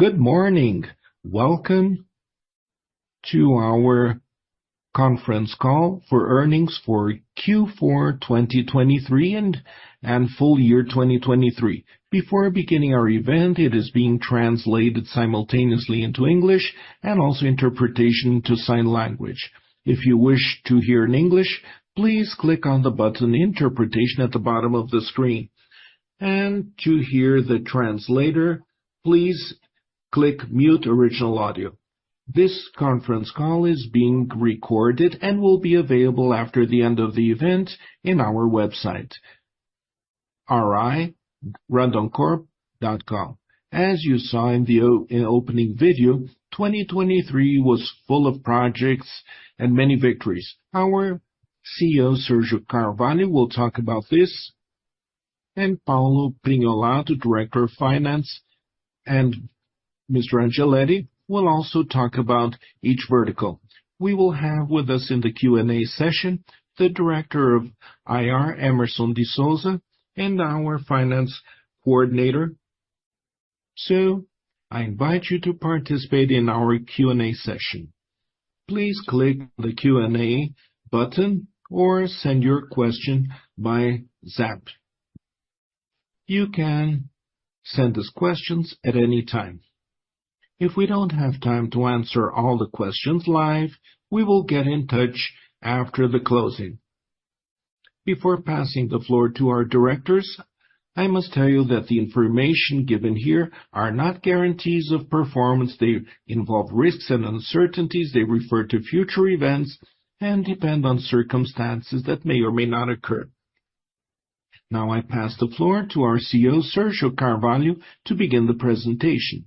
Good morning. Welcome to our conference call for earnings for Q4 2023 and full year 2023. Before beginning our event, it is being translated simultaneously into English and also interpretation to sign language. If you wish to hear in English, please click on the button "Interpretation" at the bottom of the screen. To hear the translator, please click "Mute Original Audio." This conference call is being recorded and will be available after the end of the event in our website ri.randoncorp.com. As you saw in the opening video, 2023 was full of projects and many victories. Our CEO Sérgio Carvalho will talk about this, and Paulo Prignolato, Director of Finance, and Mr. Angeletti will also talk about each vertical. We will have with us in the Q&A session the Director of IR, Hemerson de Souza, and our Finance Coordinator. I invite you to participate in our Q&A session. Please click the Q&A button or send your question by Zap. You can send us questions at any time. If we don't have time to answer all the questions live, we will get in touch after the closing. Before passing the floor to our directors, I must tell you that the information given here are not guarantees of performance; they involve risks and uncertainties, they refer to future events, and depend on circumstances that may or may not occur. Now I pass the floor to our CEO Sérgio Carvalho to begin the presentation.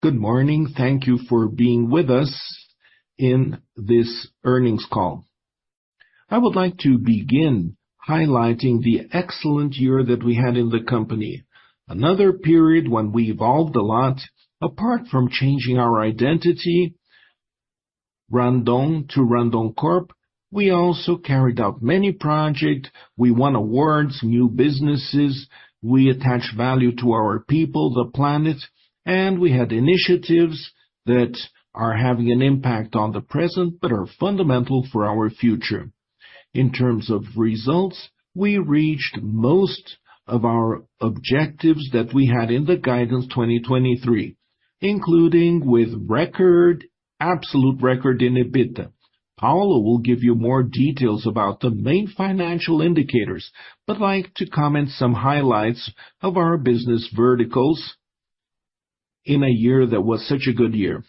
Good morning, thank you for being with us in this earnings call. I would like to begin highlighting the excellent year that we had in the company. Another period when we evolved a lot apart from changing our identity. Randoncorp, we also carried out many projects, we won awards, new businesses, we attach value to our people, the planet, and we had initiatives that are having an impact on the present but are fundamental for our future. In terms of results, we reached most of our objectives that we had in the guidance 2023, including with record, absolute record in EBITDA. Paulo will give you more details about the main financial indicators, but like to comment some highlights of our business verticals in a year that was such a good year.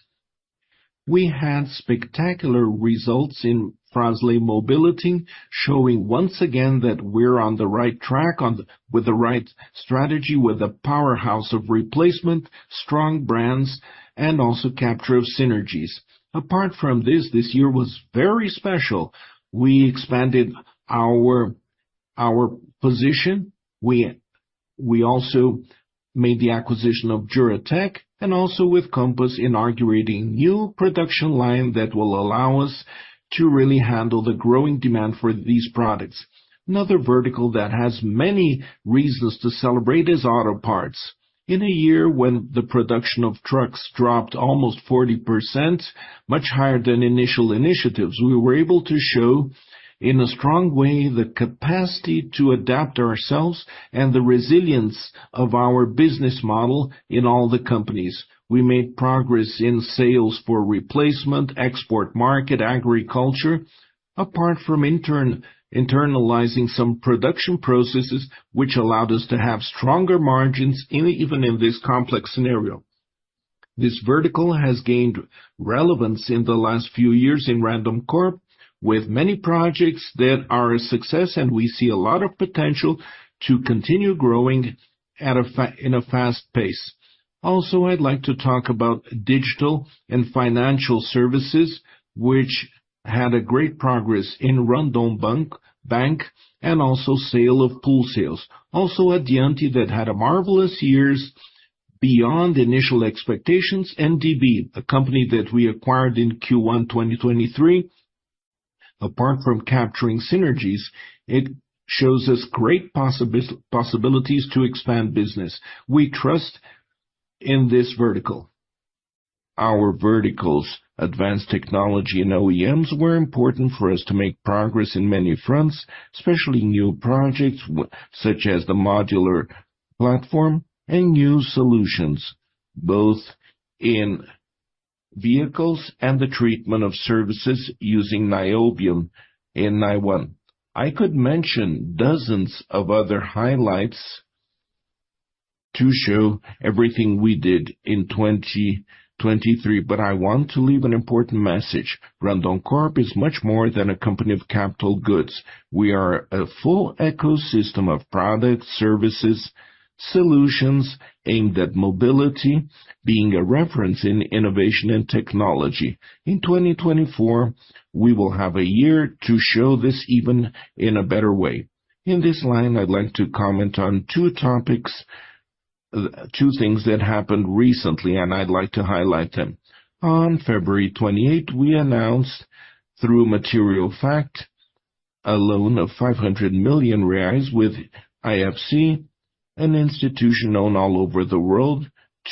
We had spectacular results in Frasle Mobility, showing once again that we're on the right track with the right strategy, with a powerhouse of replacement, strong brands, and also capture of synergies. Apart from this, this year was very special. We expanded our position. We also made the acquisition of Juratek and also with Composs in inaugurating a new production line that will allow us to really handle the growing demand for these products. Another vertical that has many reasons to celebrate is auto parts. In a year when the production of trucks dropped almost 40%, much higher than initial initiatives, we were able to show in a strong way the capacity to adapt ourselves and the resilience of our business model in all the companies. We made progress in sales for replacement, export market, agriculture, apart from internalizing some production processes which allowed us to have stronger margins even in this complex scenario. This vertical has gained relevance in the last few years in Randoncorp with many projects that are a success and we see a lot of potential to continue growing at a fast pace. Also, I'd like to talk about digital and financial services which had great progress in Randon Bank and also consortium sales. Also, Addiante that had marvelous years beyond initial expectations, DB, a company that we acquired in Q1 2023. Apart from capturing synergies, it shows us great possibilities to expand business. We trust in this vertical. Our verticals, advanced technology and OEMs, were important for us to make progress in many fronts, especially new projects such as the modular platform and new solutions, both in vehicles and the treatment of services using niobium in nanowire. I could mention dozens of other highlights to show everything we did in 2023, but I want to leave an important message. Randoncorp is much more than a company of capital goods. We are a full ecosystem of products, services, solutions aimed at mobility, being a reference in innovation and technology. In 2024, we will have a year to show this even in a better way. In this line, I'd like to comment on two topics, two things that happened recently and I'd like to highlight them. On February 28th, we announced through Material Fact a loan of 500 million reais with IFC, an institution known all over the world,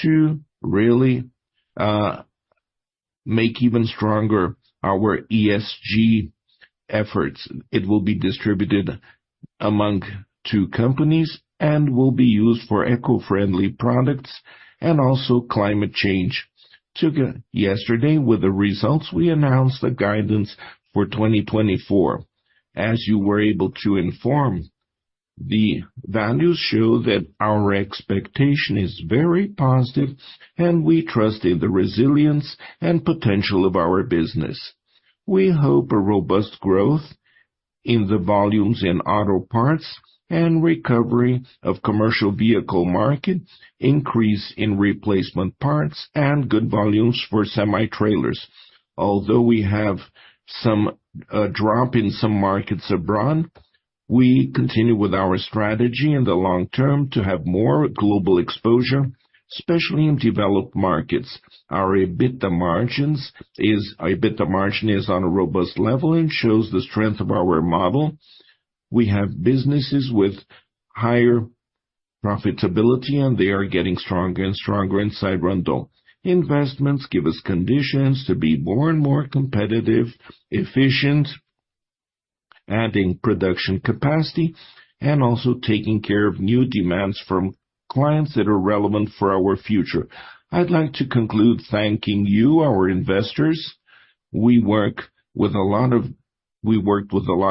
to really make even stronger our ESG efforts. It will be distributed among two companies and will be used for eco-friendly products and also climate change. Yesterday, with the results, we announced the guidance for 2024. As you were able to inform, the values show that our expectation is very positive and we trust in the resilience and potential of our business. We hope a robust growth in the volumes in auto parts and recovery of the commercial vehicle market, increase in replacement parts, and good volumes for semi-trailers. Although we have some drop in some markets abroad, we continue with our strategy in the long term to have more global exposure, especially in developed markets. Our EBITDA margin is on a robust level and shows the strength of our model. We have businesses with higher profitability and they are getting stronger and stronger inside Randoncorp. Investments give us conditions to be more and more competitive, efficient, adding production capacity, and also taking care of new demands from clients that are relevant for our future. I'd like to conclude thanking you, our investors. We worked with a lot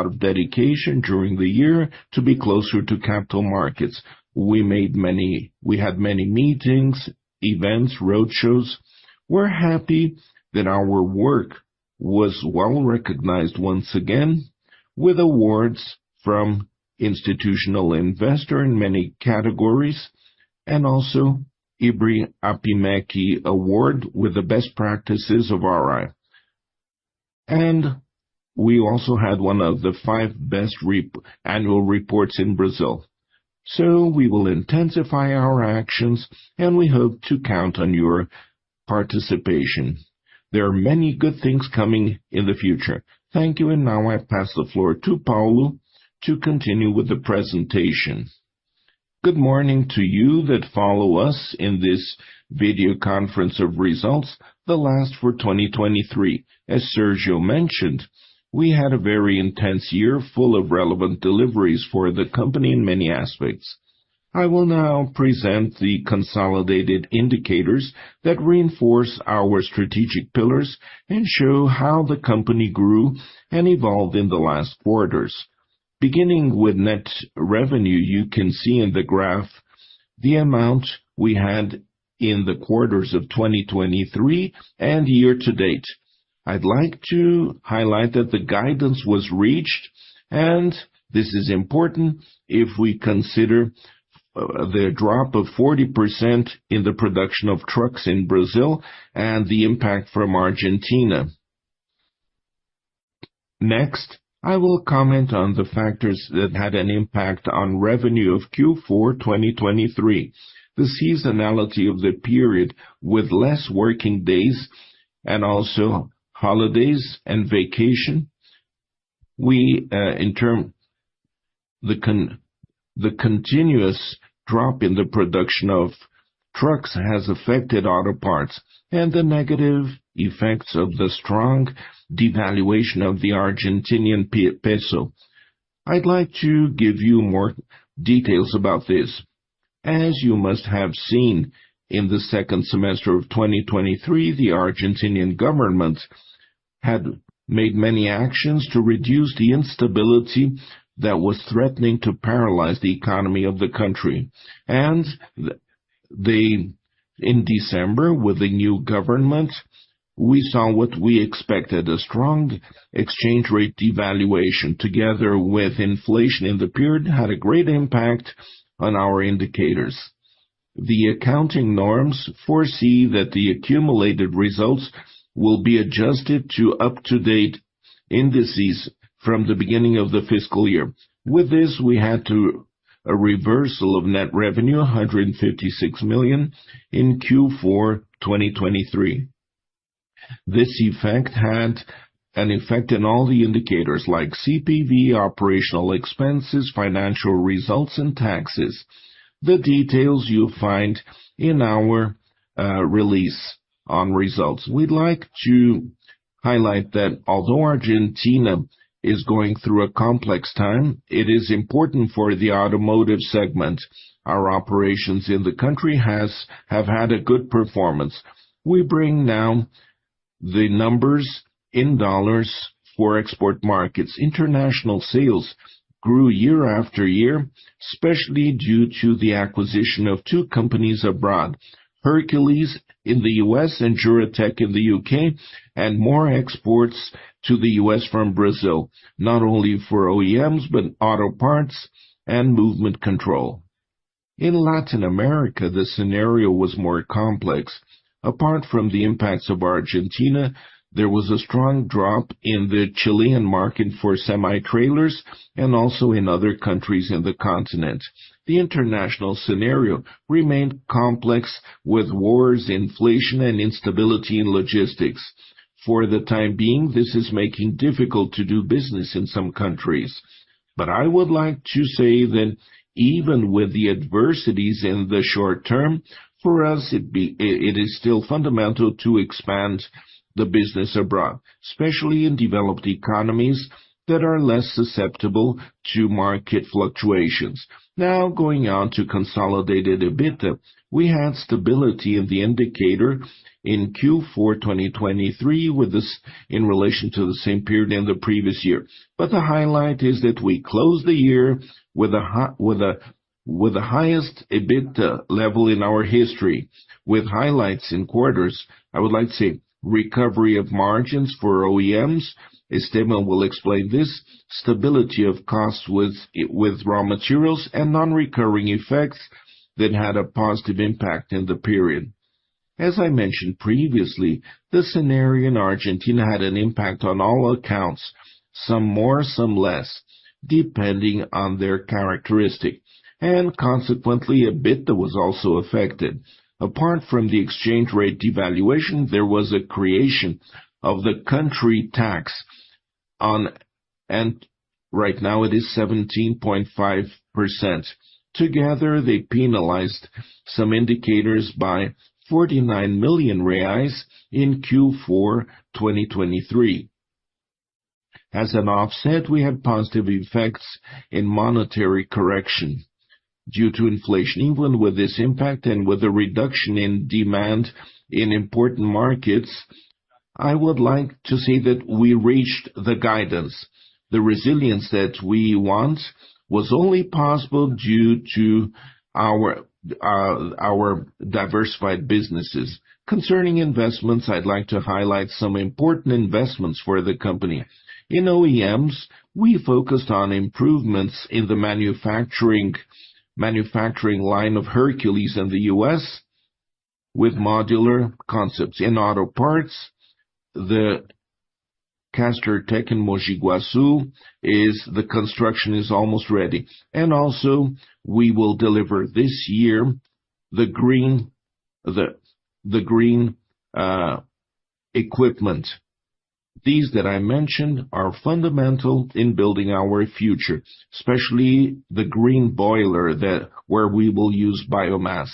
of dedication during the year to be closer to capital markets. We had many meetings, events, road shows. We're happy that our work was well recognized once again with awards from Institutional Investor in many categories and also IBRI APIMEC Award with the best practices of RI. We also had one of the five best annual reports in Brazil. So, we will intensify our actions and we hope to count on your participation. There are many good things coming in the future. Thank you, and now I pass the floor to Paulo to continue with the presentation. Good morning to you that follow us in this video conference of results, the last for 2023. As Sérgio mentioned, we had a very intense year full of relevant deliveries for the company in many aspects. I will now present the consolidated indicators that reinforce our strategic pillars and show how the company grew and evolved in the last quarters. Beginning with net revenue, you can see in the graph the amount we had in the quarters of 2023 and year to date. I'd like to highlight that the guidance was reached, and this is important, if we consider the drop of 40% in the production of trucks in Brazil and the impact from Argentina. Next, I will comment on the factors that had an impact on revenue of Q4 2023. The seasonality of the period with less working days and also holidays and vacation. The continuous drop in the production of trucks has affected auto parts and the negative effects of the strong devaluation of the Argentine peso. I'd like to give you more details about this. As you must have seen in the second semester of 2023, the Argentine government had made many actions to reduce the instability that was threatening to paralyze the economy of the country. In December, with the new government, we saw what we expected, a strong exchange rate devaluation together with inflation in the period had a great impact on our indicators. The accounting norms foresee that the accumulated results will be adjusted to up-to-date indices from the beginning of the fiscal year. With this, we had a reversal of net revenue, 156 million, in Q4 2023. This effect had an effect on all the indicators like CPV, operational expenses, financial results, and taxes. The details you find in our release on results. We'd like to highlight that although Argentina is going through a complex time, it is important for the automotive segment. Our operations in the country have had a good performance. We bring now the numbers in dollars for export markets. International sales grew year after year, especially due to the acquisition of two companies abroad, Hercules in the U.S. and Juratek in the U.K., and more exports to the U.S. from Brazil, not only for OEMs but auto parts and movement control. In Latin America, the scenario was more complex. Apart from the impacts of Argentina, there was a strong drop in the Chilean market for semi-trailers and also in other countries in the continent. The international scenario remained complex with wars, inflation, and instability in logistics. For the time being, this is making it difficult to do business in some countries. But I would like to say that even with the adversities in the short term, for us, it is still fundamental to expand the business abroad, especially in developed economies that are less susceptible to market fluctuations. Now, going on to consolidated EBITDA, we had stability in the indicator in Q4 2023 with this in relation to the same period in the previous year. But the highlight is that we closed the year with the highest EBITDA level in our history, with highlights in quarters. I would like to say recovery of margins for OEMs. Esteban will explain this. Stability of costs with raw materials and non-recurring effects that had a positive impact in the period. As I mentioned previously, the scenario in Argentina had an impact on all accounts, some more, some less, depending on their characteristic. And consequently, EBITDA was also affected. Apart from the exchange rate devaluation, there was a creation of the country tax on and right now it is 17.5%. Together, they penalized some indicators by 49 million reais in Q4 2023. As an offset, we had positive effects in monetary correction due to inflation. Even with this impact and with a reduction in demand in important markets, I would like to say that we reached the guidance. The resilience that we want was only possible due to our diversified businesses. Concerning investments, I'd like to highlight some important investments for the company. In OEMs, we focused on improvements in the manufacturing line of Hercules in the U.S. with modular concepts. In auto parts, the Castertech in Mogi Guaçu, the construction is almost ready. Also, we will deliver this year the green equipment. These that I mentioned are fundamental in building our future, especially the green boiler that, where we will use biomass.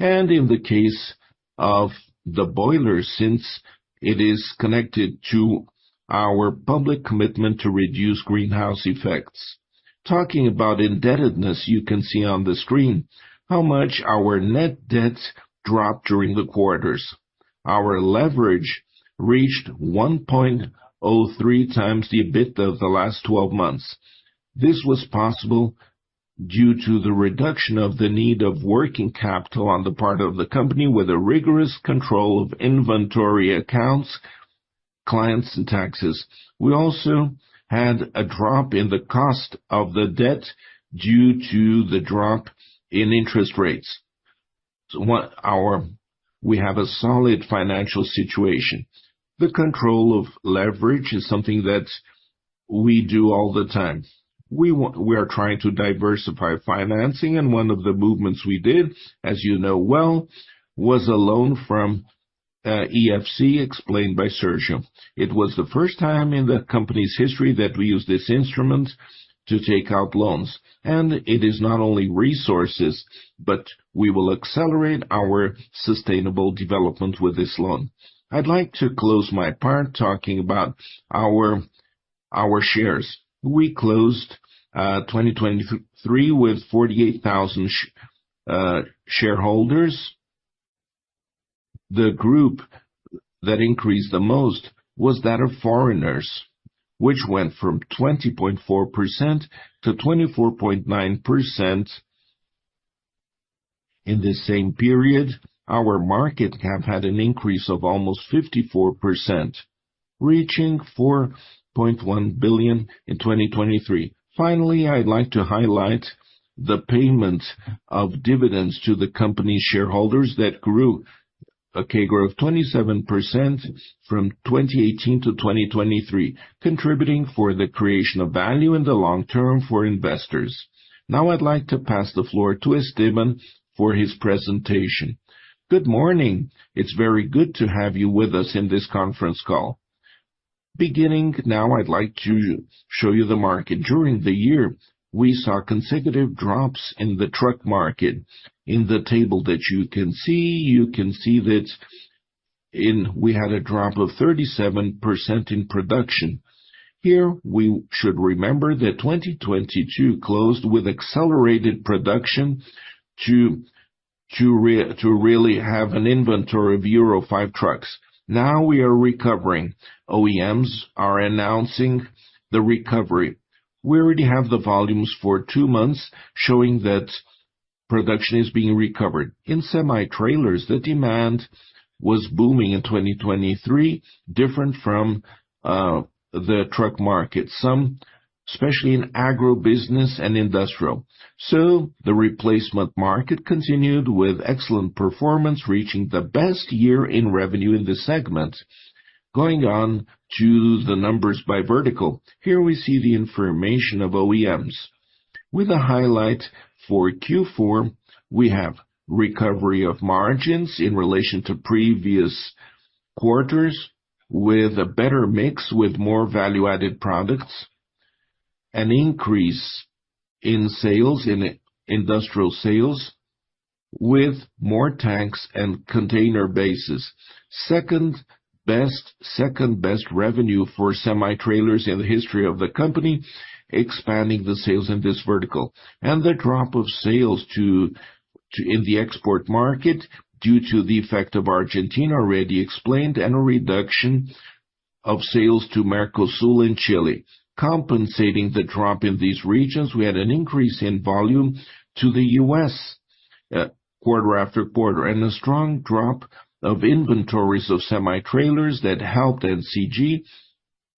In the case of the boiler, since it is connected to our public commitment to reduce greenhouse effects. Talking about indebtedness, you can see on the screen how much our net debt dropped during the quarters. Our leverage reached 1.03 times the EBITDA of the last 12 months. This was possible due to the reduction of the need of working capital on the part of the company with a rigorous control of inventory accounts, clients, and taxes. We also had a drop in the cost of the debt due to the drop in interest rates. So, we have a solid financial situation. The control of leverage is something that we do all the time. We are trying to diversify financing, and one of the movements we did, as you know well, was a loan from IFC explained by Sérgio. It was the first time in the company's history that we used this instrument to take out loans. And it is not only resources, but we will accelerate our sustainable development with this loan. I'd like to close my part talking about our shares. We closed 2023 with 48,000 shareholders. The group that increased the most was that of foreigners, which went from 20.4% to 24.9% in the same period. Our market cap had an increase of almost 54%, reaching 4.1 billion in 2023. Finally, I'd like to highlight the payment of dividends to the company's shareholders that grew a CAGR of 27% from 2018 to 2023, contributing for the creation of value in the long term for investors. Now, I'd like to pass the floor to Esteban for his presentation. Good morning. It's very good to have you with us in this conference call. Beginning now, I'd like to show you the market. During the year, we saw consecutive drops in the truck market. In the table that you can see, you can see that we had a drop of 37% in production. Here, we should remember that 2022 closed with accelerated production to really have an inventory of Euro 5 trucks. Now, we are recovering. OEMs are announcing the recovery. We already have the volumes for 2 months showing that production is being recovered. In semi-trailers, the demand was booming in 2023, different from the truck market, some, especially in agro-business and industrial. So, the replacement market continued with excellent performance, reaching the best year in revenue in the segment. Going on to the numbers by vertical, here we see the information of OEMs. With a highlight for Q4, we have recovery of margins in relation to previous quarters with a better mix with more value-added products, an increase in sales, in industrial sales, with more tanks and container bases. Second best revenue for semi-trailers in the history of the company, expanding the sales in this vertical. The drop of sales to the export market due to the effect of Argentina already explained and a reduction of sales to Mercosul in Chile. Compensating the drop in these regions, we had an increase in volume to the U.S. quarter-after-quarter and a strong drop of inventories of semi-trailers that helped NCG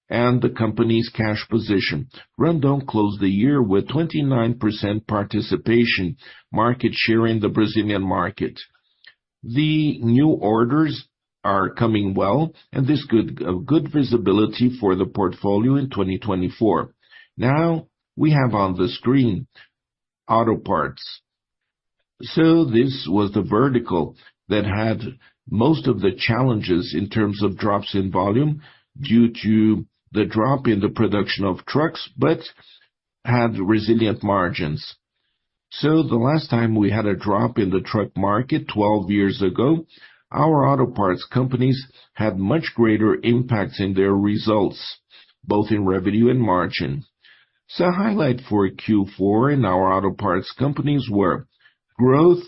and the company's cash position. Randoncorp closed the year with 29% participation, market share in the Brazilian market. The new orders are coming well, and this is good visibility for the portfolio in 2024. Now, we have on the screen auto parts. So, this was the vertical that had most of the challenges in terms of drops in volume due to the drop in the production of trucks, but had resilient margins. So, the last time we had a drop in the truck market, 12 years ago, our auto parts companies had much greater impacts in their results, both in revenue and margin. So, a highlight for Q4 in our auto parts companies were growth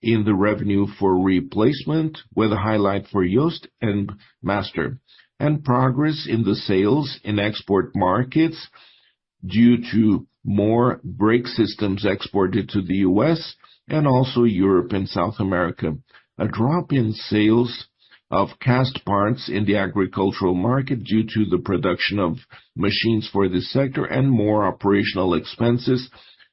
in the revenue for replacement with a highlight for JOST and Master, and progress in the sales in export markets due to more brake systems exported to the U.S. and also Europe and South America. A drop in sales of cast parts in the agricultural market due to the production of machines for this sector and more operational expenses,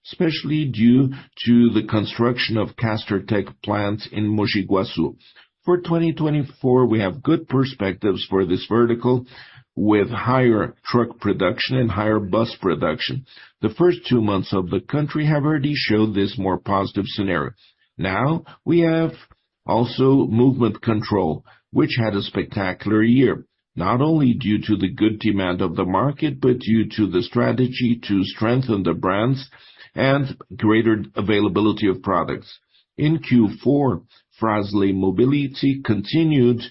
especially due to the construction of Castertech plants in Mogi Guaçu. For 2024, we have good perspectives for this vertical with higher truck production and higher bus production. The first two months of the country have already showed this more positive scenario. Now, we have also movement control, which had a spectacular year, not only due to the good demand of the market, but due to the strategy to strengthen the brands and greater availability of products. In Q4, Frasle Mobility continued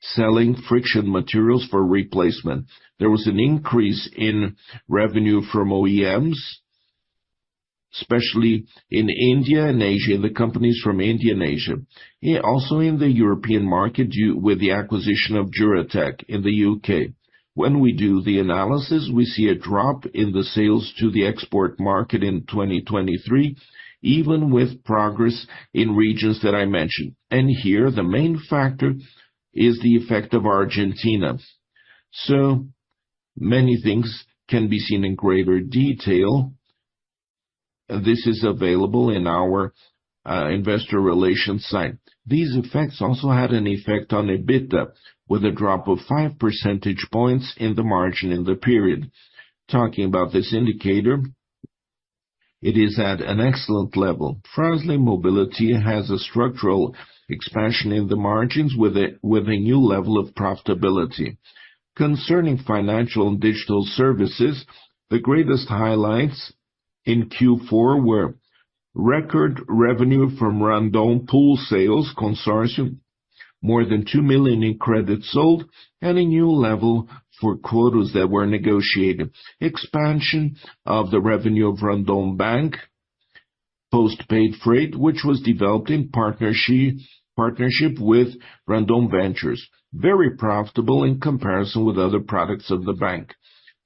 selling friction materials for replacement. There was an increase in revenue from OEMs, especially in India and Asia, in the companies from India and Asia. Also, in the European market with the acquisition of Juratek in the U.K. When we do the analysis, we see a drop in the sales to the export market in 2023, even with progress in regions that I mentioned. And here, the main factor is the effect of Argentina. So, many things can be seen in greater detail. This is available in our investor relations site. These effects also had an effect on EBITDA with a drop of five percentage points in the margin in the period. Talking about this indicator, it is at an excellent level. Frasle Mobility has a structural expansion in the margins with a new level of profitability. Concerning financial and digital services, the greatest highlights in Q4 were record revenue from Randoncorp pool sales consortium, more than 2 million in credits sold, and a new level for quotas that were negotiated. Expansion of the revenue of Banco Randon, postpaid freight, which was developed in partnership with Randon Ventures, very profitable in comparison with other products of the bank.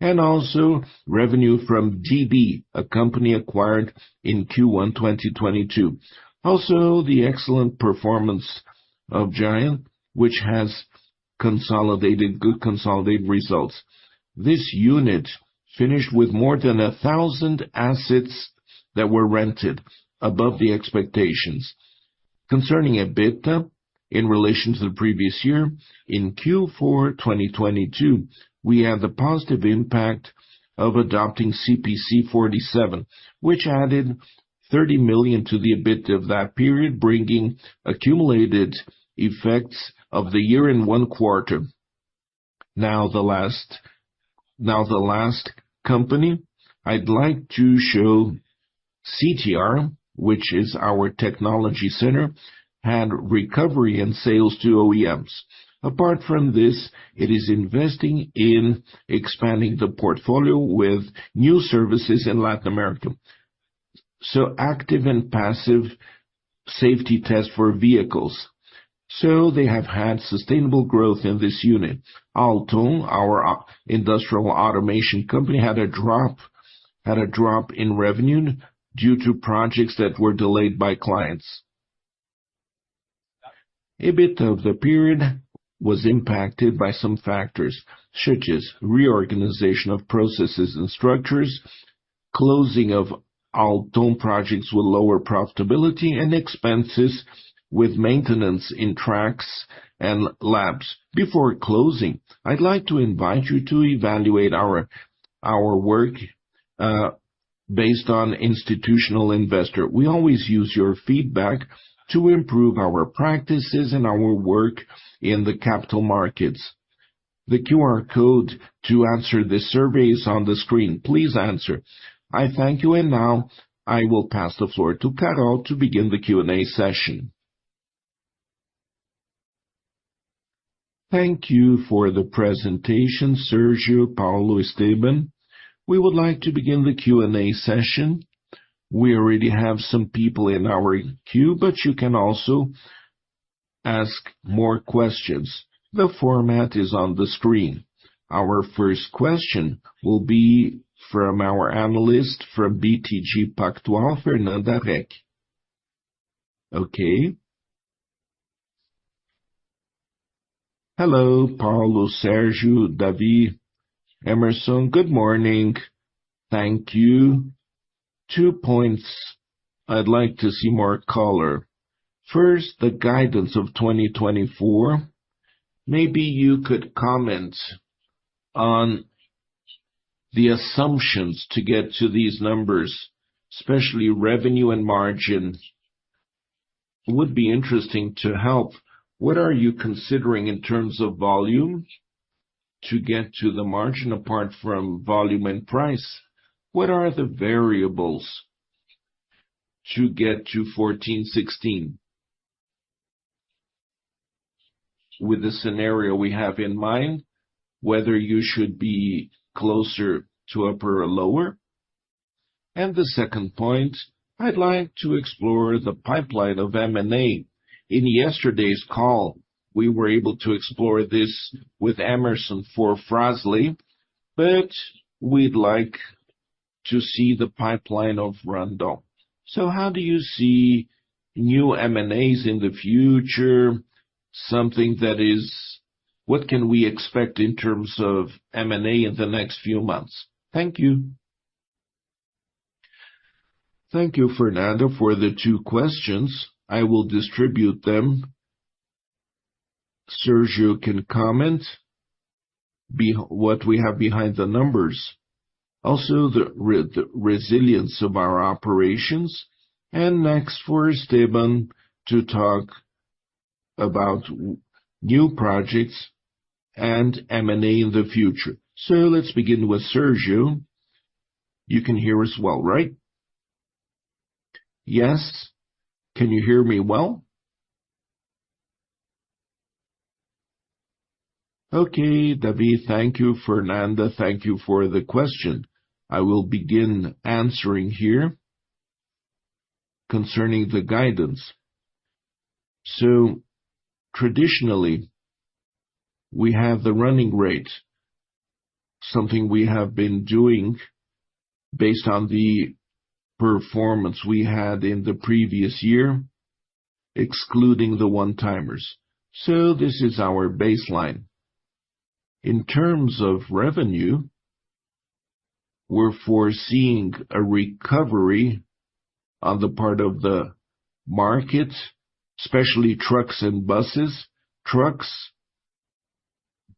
And also, revenue from DB, a company acquired in Q1 2022. Also, the excellent performance of Addiante, which has consolidated good results. This unit finished with more than 1,000 assets that were rented, above the expectations. Concerning EBITDA in relation to the previous year, in Q4 2022, we had the positive impact of adopting CPC 47, which added 30 million to the EBITDA of that period, bringing accumulated effects of the year in one quarter. Now, the last company, I'd like to show CTR, which is our technology center, had recovery in sales to OEMs. Apart from this, it is investing in expanding the portfolio with new services in Latin America. So, active and passive safety tests for vehicles. So, they have had sustainable growth in this unit. Auttom, our industrial automation company, had a drop in revenue due to projects that were delayed by clients. EBITDA of the period was impacted by some factors, such as reorganization of processes and structures, closing of Auttom projects with lower profitability, and expenses with maintenance in tracks and labs. Before closing, I'd like to invite you to evaluate our work based on institutional investor. We always use your feedback to improve our practices and our work in the capital markets. The QR code to answer this survey is on the screen. Please answer. I thank you, and now, I will pass the floor to Carol to begin the Q&A session. Thank you for the presentation, Sérgio, Paulo, Esteban. We would like to begin the Q&A session. We already have some people in our queue, but you can also ask more questions. The format is on the screen. Our first question will be from our analyst from BTG Pactual, Fernando. Okay. Hello, Paulo, Sérgio, Davi, Hemerson. Good morning. Thank you. Two points. I'd like to see more color. First, the guidance of 2024. Maybe you could comment on the assumptions to get to these numbers, especially revenue and margin. It would be interesting to help. What are you considering in terms of volume to get to the margin, apart from volume and price? What are the variables to get to 1416 with the scenario we have in mind, whether you should be closer to upper or lower? And the second point, I'd like to explore the pipeline of M&A. In yesterday's call, we were able to explore this with Hemerson for Frasle, but we'd like to see the pipeline of Randoncorp. So, how do you see new M&As in the future? Something that is what can we expect in terms of M&A in the next few months? Thank you. Thank you, Fernando, for the two questions. I will distribute them. Sérgio can comment on what we have behind the numbers. Also, the resilience of our operations. Next, for Esteban to talk about new projects and M&A in the future. So, let's begin with Sergio. You can hear us well, right? Yes. Can you hear me well? Okay, Davi, thank you. Fernando, thank you for the question. I will begin answering here concerning the guidance. So, traditionally, we have the running rate, something we have been doing based on the performance we had in the previous year, excluding the one-timers. So, this is our baseline. In terms of revenue, we're foreseeing a recovery on the part of the market, especially trucks and buses, trucks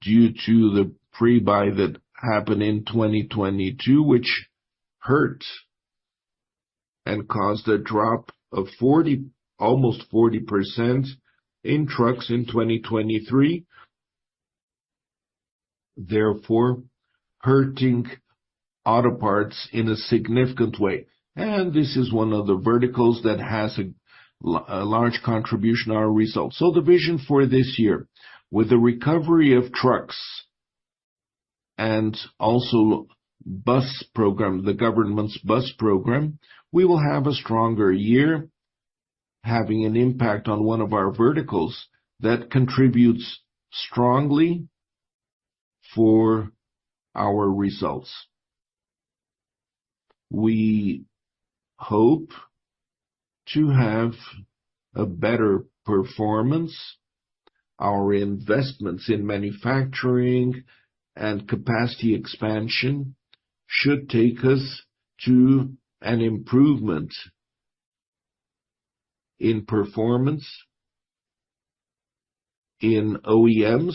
due to the pre-buy that happened in 2022, which hurt and caused a drop of almost 40% in trucks in 2023. Therefore, hurting auto parts in a significant way. And this is one of the verticals that has a large contribution to our results. So, the vision for this year, with the recovery of trucks and also bus program, the government's bus program, we will have a stronger year, having an impact on one of our verticals that contributes strongly for our results. We hope to have a better performance. Our investments in manufacturing and capacity expansion should take us to an improvement in performance in OEMs.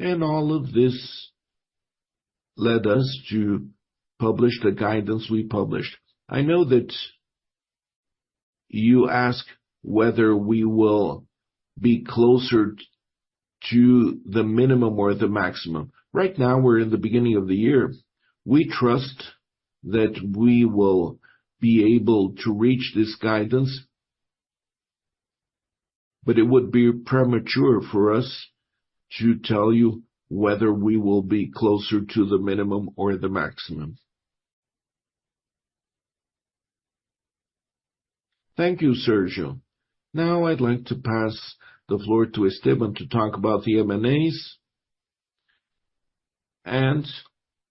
All of this led us to publish the guidance we published. I know that you ask whether we will be closer to the minimum or the maximum. Right now, we're in the beginning of the year. We trust that we will be able to reach this guidance, but it would be premature for us to tell you whether we will be closer to the minimum or the maximum. Thank you, Sérgio. Now, I'd like to pass the floor to Esteban to talk about the M&As.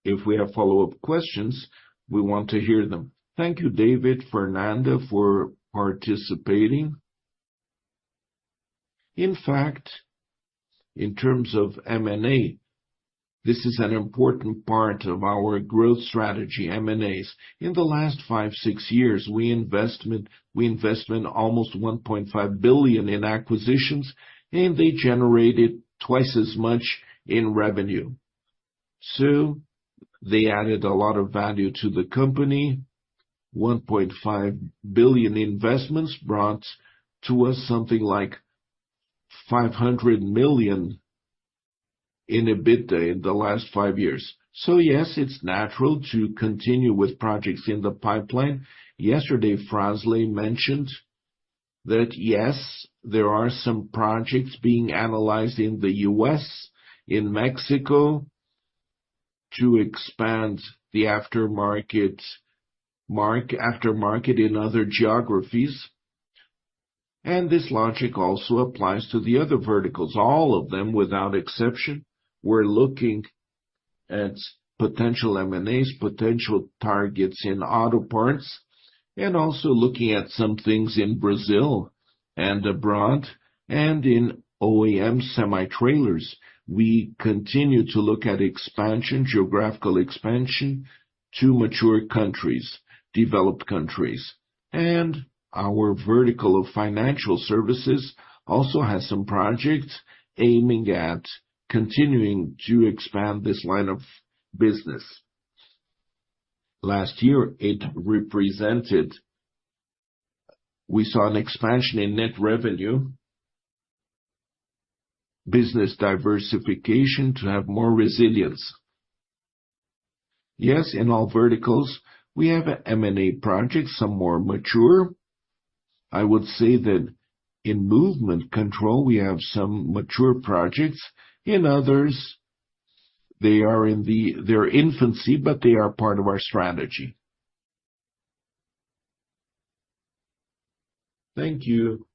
If we have follow-up questions, we want to hear them. Thank you, Davi, Fernando, for participating. In fact, in terms of M&A, this is an important part of our growth strategy, M&As. In the last five, six years, we invested almost $1.5 billion in acquisitions, and they generated twice as much in revenue. So, they added a lot of value to the company. $1.5 billion investments brought to us something like $500 million in EBITDA in the last five years. So, yes, it's natural to continue with projects in the pipeline. Yesterday, Frazon mentioned that, yes, there are some projects being analyzed in the U.S., in Mexico to expand the aftermarket market in other geographies. This logic also applies to the other verticals. All of them, without exception, we're looking at potential M&As, potential targets in auto parts, and also looking at some things in Brazil and abroad and in OEM semi-trailers. We continue to look at expansion, geographical expansion to mature countries, developed countries. Our vertical of financial services also has some projects aiming at continuing to expand this line of business. Last year, it represented we saw an expansion in net revenue, business diversification to have more resilience. Yes, in all verticals, we have M&A projects, some more mature. I would say that in movement control, we have some mature projects. In others, they are in their infancy, but they are part of our strategy. Thank you.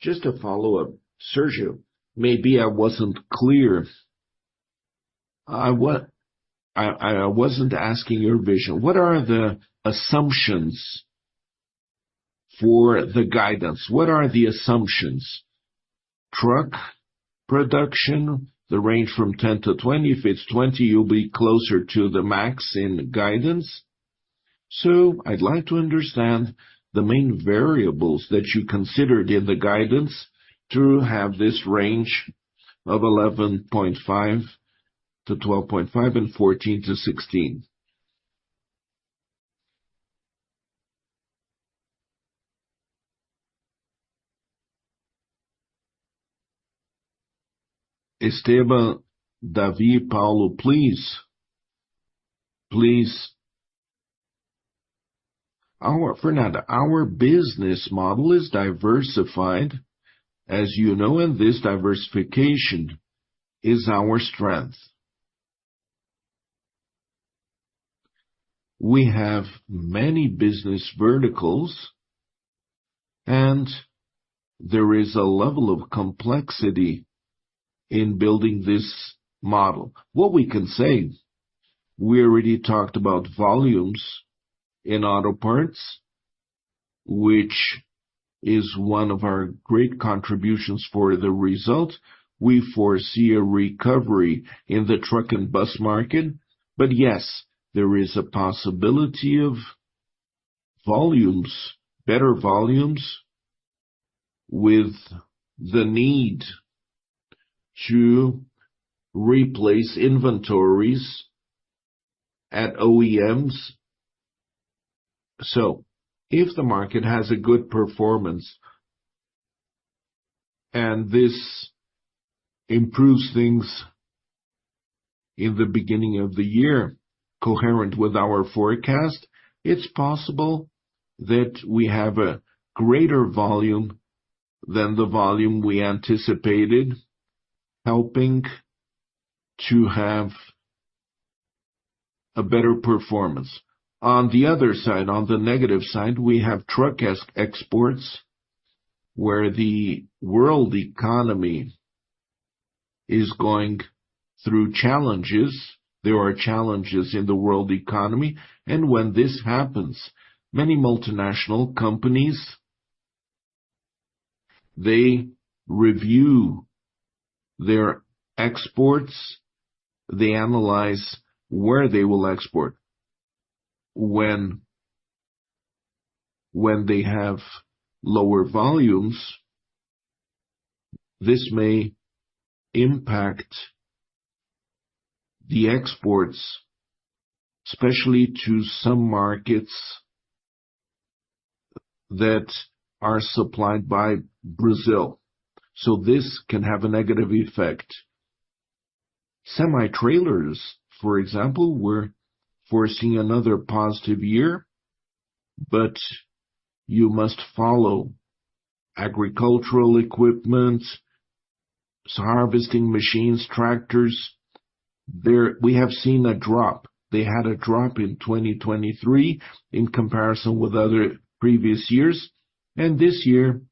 Just a follow-up, Sérgio. Maybe I wasn't clear. I wasn't asking your vision. What are the assumptions for the guidance? What are the assumptions? Truck production, the range from 10-20. If it's 20, you'll be closer to the max in guidance. So, I'd like to understand the main variables that you considered in the guidance to have this range of 11.5-12.5 and 14-16. Esteban, Davi, Paulo, please. Please. Our Fernando, our business model is diversified, as you know, and this diversification is our strength. We have many business verticals, and there is a level of complexity in building this model. What we can say, we already talked about volumes in auto parts, which is one of our great contributions for the result. We foresee a recovery in the truck and bus market, but yes, there is a possibility of volumes, better volumes with the need to replace inventories at OEMs. So, if the market has a good performance and this improves things in the beginning of the year, coherent with our forecast, it's possible that we have a greater volume than the volume we anticipated, helping to have a better performance. On the other side, on the negative side, we have truck exports where the world economy is going through challenges. There are challenges in the world economy. And when this happens, many multinational companies, they review their exports. They analyze where they will export. When they have lower volumes, this may impact the exports, especially to some markets that are supplied by Brazil. So, this can have a negative effect. Semi-trailers, for example, we're foreseeing another positive year, but you must follow agricultural equipment, harvesting machines, tractors. There we have seen a drop. They had a drop in 2023 in comparison with other previous years. This year,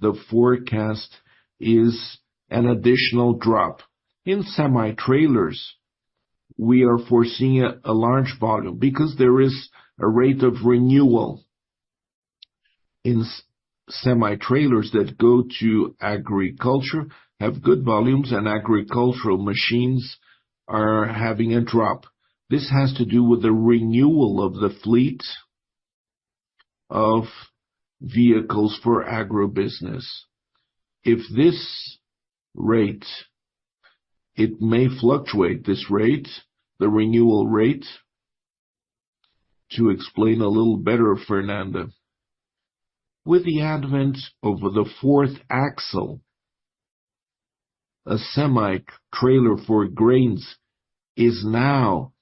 the forecast is an additional drop. In semi-trailers, we are foreseeing a large volume because there is a rate of renewal in semi-trailers that go to agriculture, have good volumes, and agricultural machines are having a drop. This has to do with the renewal of the fleet of vehicles for agribusiness. If this rate, it may fluctuate, this rate, the renewal rate. To explain a little better, Fernando, with the advent of the fourth axle, a semi-trailer for grains is now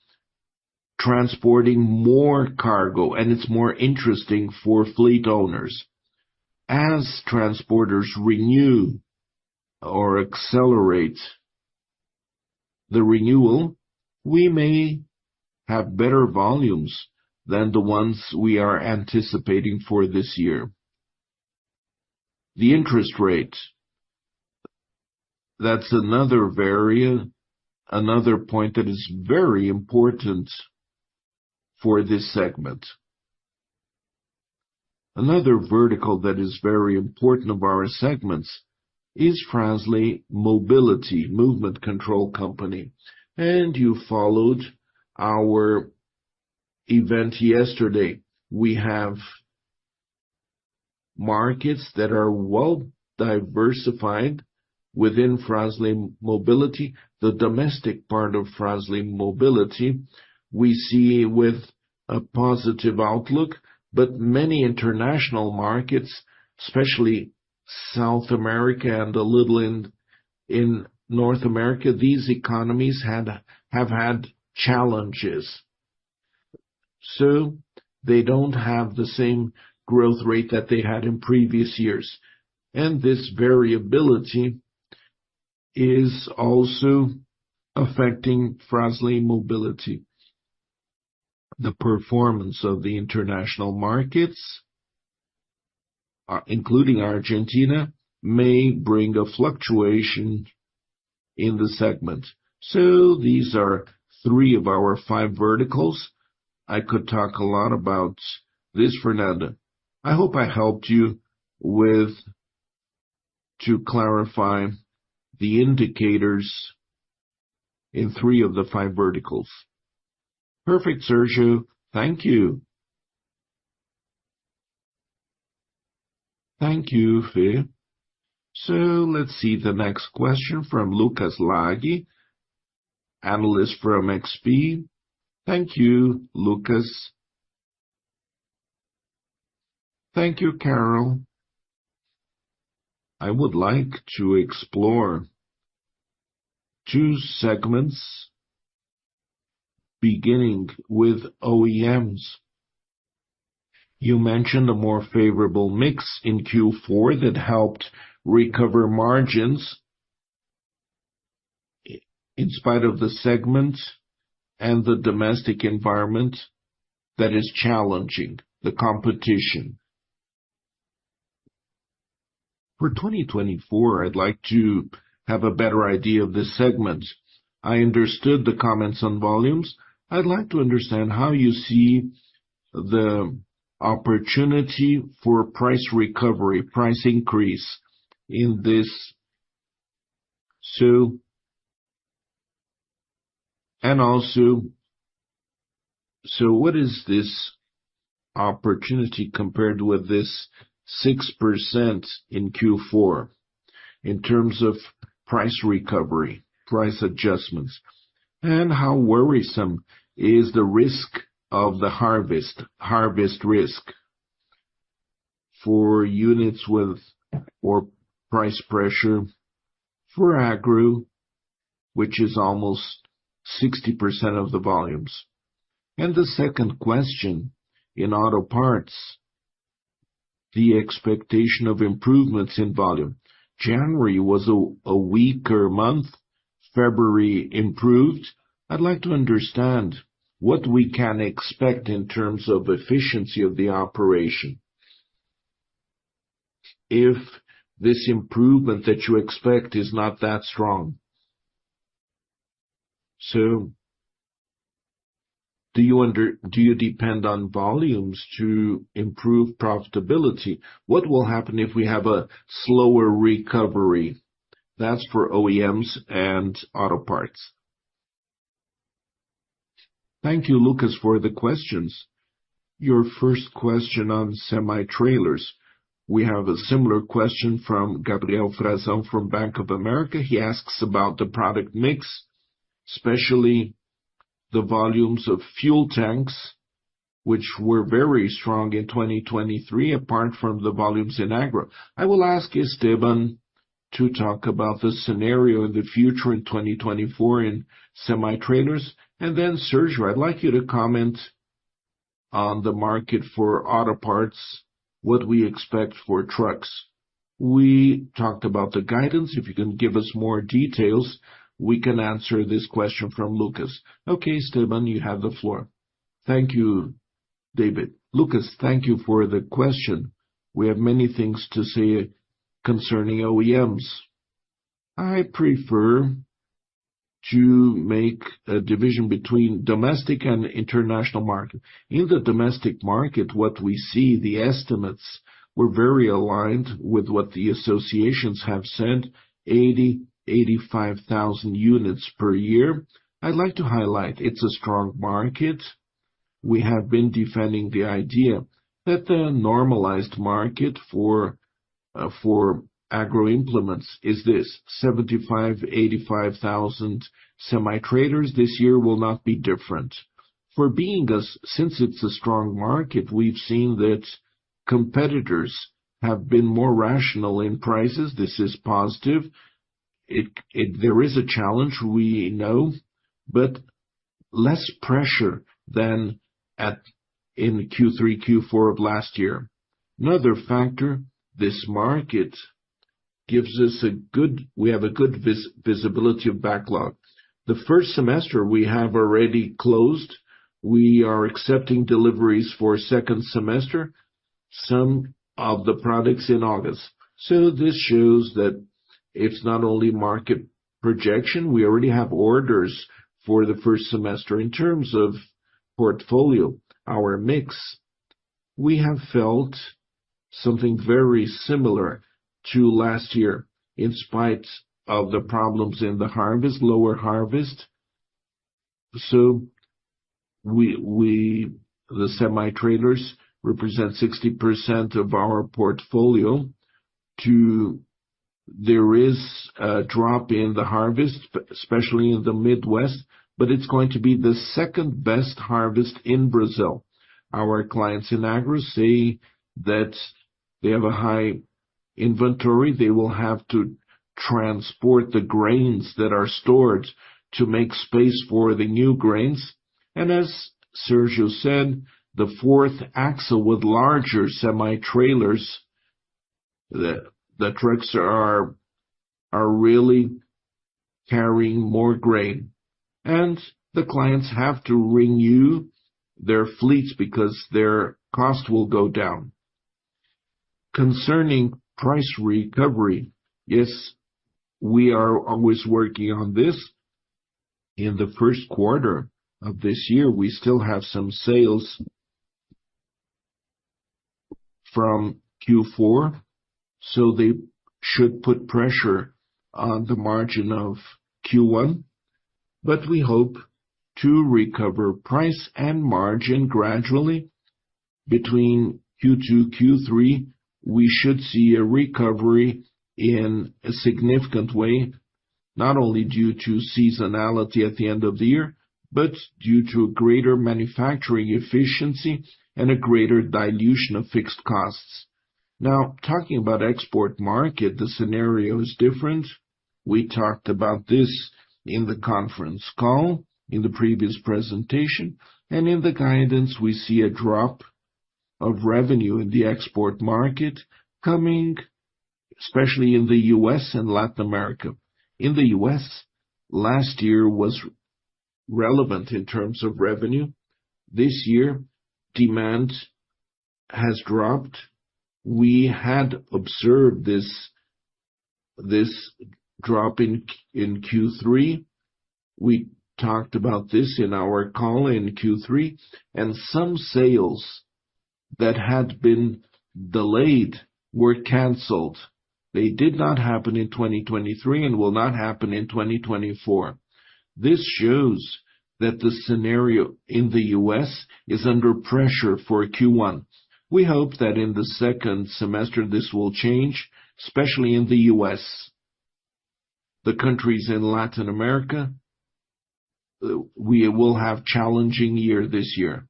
transporting more cargo, and it's more interesting for fleet owners. As transporters renew or accelerate the renewal, we may have better volumes than the ones we are anticipating for this year. The interest rate, that's another area, another point that is very important for this segment. Another vertical that is very important of our segments is Frasle Mobility, movement control company. You followed our event yesterday. We have markets that are well diversified within Frasle Mobility. The domestic part of Frasle Mobility, we see with a positive outlook, but many international markets, especially South America and a little in North America, these economies have had challenges. So, they don't have the same growth rate that they had in previous years. And this variability is also affecting Frasle Mobility. The performance of the international markets, including Argentina, may bring a fluctuation in the segment. So, these are three of our five verticals. I could talk a lot about this, Fernando. I hope I helped you with to clarify the indicators in three of the five verticals. Perfect, Sergio. Thank you. Thank you, Fe. So, let's see the next question from Lucas Laghi, analyst from XP. Thank you, Lucas. Thank you, Carol. I would like to explore two segments beginning with OEMs. You mentioned a more favorable mix in Q4 that helped recover margins in spite of the segments and the domestic environment that is challenging, the competition. For 2024, I'd like to have a better idea of this segment. I understood the comments on volumes. I'd like to understand how you see the opportunity for price recovery, price increase in this. So, and also, so what is this opportunity compared with this 6% in Q4 in terms of price recovery, price adjustments? And how worrisome is the risk of the harvest, harvest risk for units with or price pressure for agro, which is almost 60% of the volumes? And the second question, in auto parts, the expectation of improvements in volume. January was a weaker month. February improved. I'd like to understand what we can expect in terms of efficiency of the operation if this improvement that you expect is not that strong. So, do you depend on volumes to improve profitability? What will happen if we have a slower recovery? That's for OEMs and auto parts. Thank you, Lucas, for the questions. Your first question on semi-trailers. We have a similar question from Gabriel Frazon from Bank of America. He asks about the product mix, especially the volumes of fuel tanks, which were very strong in 2023 apart from the volumes in agro. I will ask Esteban to talk about the scenario in the future in 2024 in semi-trailers. And then, Sérgio, I'd like you to comment on the market for auto parts, what we expect for trucks. We talked about the guidance. If you can give us more details, we can answer this question from Lucas. Okay, Esteban, you have the floor. Thank you, Davi. Lucas, thank you for the question. We have many things to say concerning OEMs. I prefer to make a division between domestic and international market. In the domestic market, what we see, the estimates were very aligned with what the associations have sent, 80,000-85,000 units per year. I'd like to highlight, it's a strong market. We have been defending the idea that the normalized market for agro implements is this, 75,000-85,000 semi-trailers this year will not be different. For being us, since it's a strong market, we've seen that competitors have been more rational in prices. This is positive. There is a challenge, we know, but less pressure than in Q3, Q4 of last year. Another factor, this market gives us a good, we have a good visibility of backlog. The first semester, we have already closed. We are accepting deliveries for second semester, some of the products in August. So, this shows that it's not only market projection. We already have orders for the first semester in terms of portfolio, our mix. We have felt something very similar to last year in spite of the problems in the harvest, lower harvest. So, the semi-trailers represent 60% of our portfolio. There is a drop in the harvest, especially in the Midwest, but it's going to be the second best harvest in Brazil. Our clients in agro say that they have a high inventory. They will have to transport the grains that are stored to make space for the new grains. As Sérgio said, the fourth axle with larger semi-trailers, the trucks are really carrying more grain. The clients have to renew their fleets because their cost will go down. Concerning price recovery, yes, we are always working on this. In the Q1 of this year, we still have some sales from Q4. So, they should put pressure on the margin of Q1. But we hope to recover price and margin gradually. Between Q2, Q3, we should see a recovery in a significant way, not only due to seasonality at the end of the year, but due to greater manufacturing efficiency and a greater dilution of fixed costs. Now, talking about export market, the scenario is different. We talked about this in the conference call, in the previous presentation, and in the guidance, we see a drop of revenue in the export market coming, especially in the U.S. and Latin America. In the U.S., last year was relevant in terms of revenue. This year, demand has dropped. We had observed this drop in Q3. We talked about this in our call in Q3. Some sales that had been delayed were canceled. They did not happen in 2023 and will not happen in 2024. This shows that the scenario in the U.S. is under pressure for Q1. We hope that in the second semester, this will change, especially in the U.S. The countries in Latin America, we will have a challenging year this year.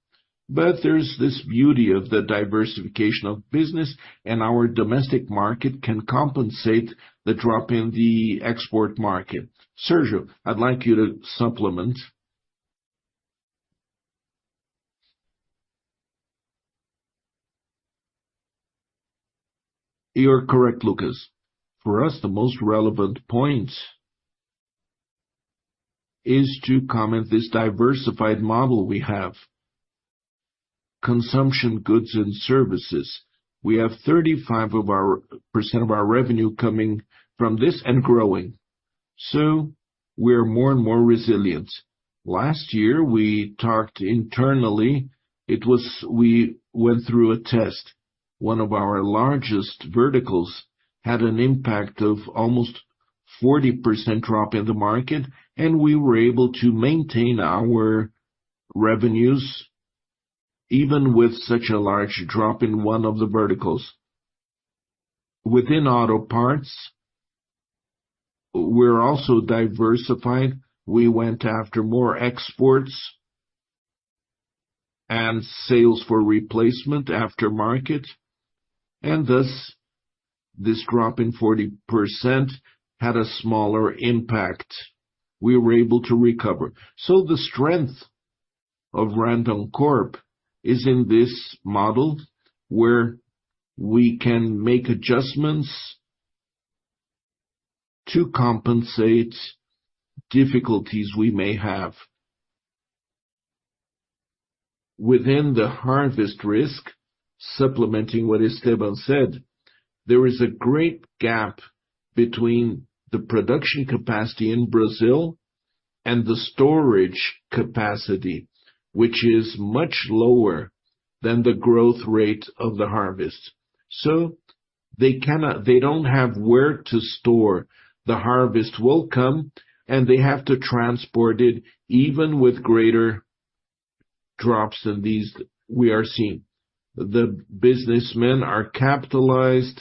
But there's this beauty of the diversification of business, and our domestic market can compensate the drop in the export market. Sérgio, I'd like you to supplement. You're correct, Lucas. For us, the most relevant point is to comment this diversified model we have. Consumption goods and services. We have 35% of our revenue coming from this and growing. So, we are more and more resilient. Last year, we talked internally. It was we went through a test. One of our largest verticals had an impact of almost 40% drop in the market, and we were able to maintain our revenues even with such a large drop in one of the verticals. Within auto parts, we're also diversified. We went after more exports and sales for replacement after market. And thus, this drop in 40% had a smaller impact. We were able to recover. So, the strength of Randoncorp is in this model where we can make adjustments to compensate difficulties we may have. Within the harvest risk, supplementing what Esteban said, there is a great gap between the production capacity in Brazil and the storage capacity, which is much lower than the growth rate of the harvest. So, they don't have where to store. The harvest will come, and they have to transport it even with greater drops than these we are seeing. The businessmen are capitalized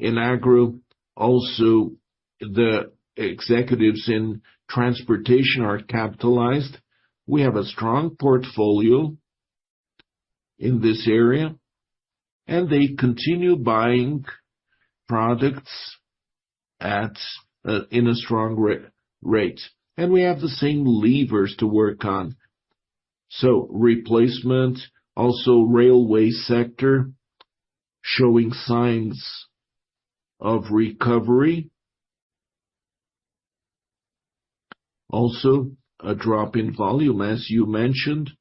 in agro. Also, the executives in transportation are capitalized. We have a strong portfolio in this area. And they continue buying products at a strong rate. And we have the same levers to work on. So, replacement. Also, railway sector showing signs of recovery. Also, a drop in volume, as you mentioned,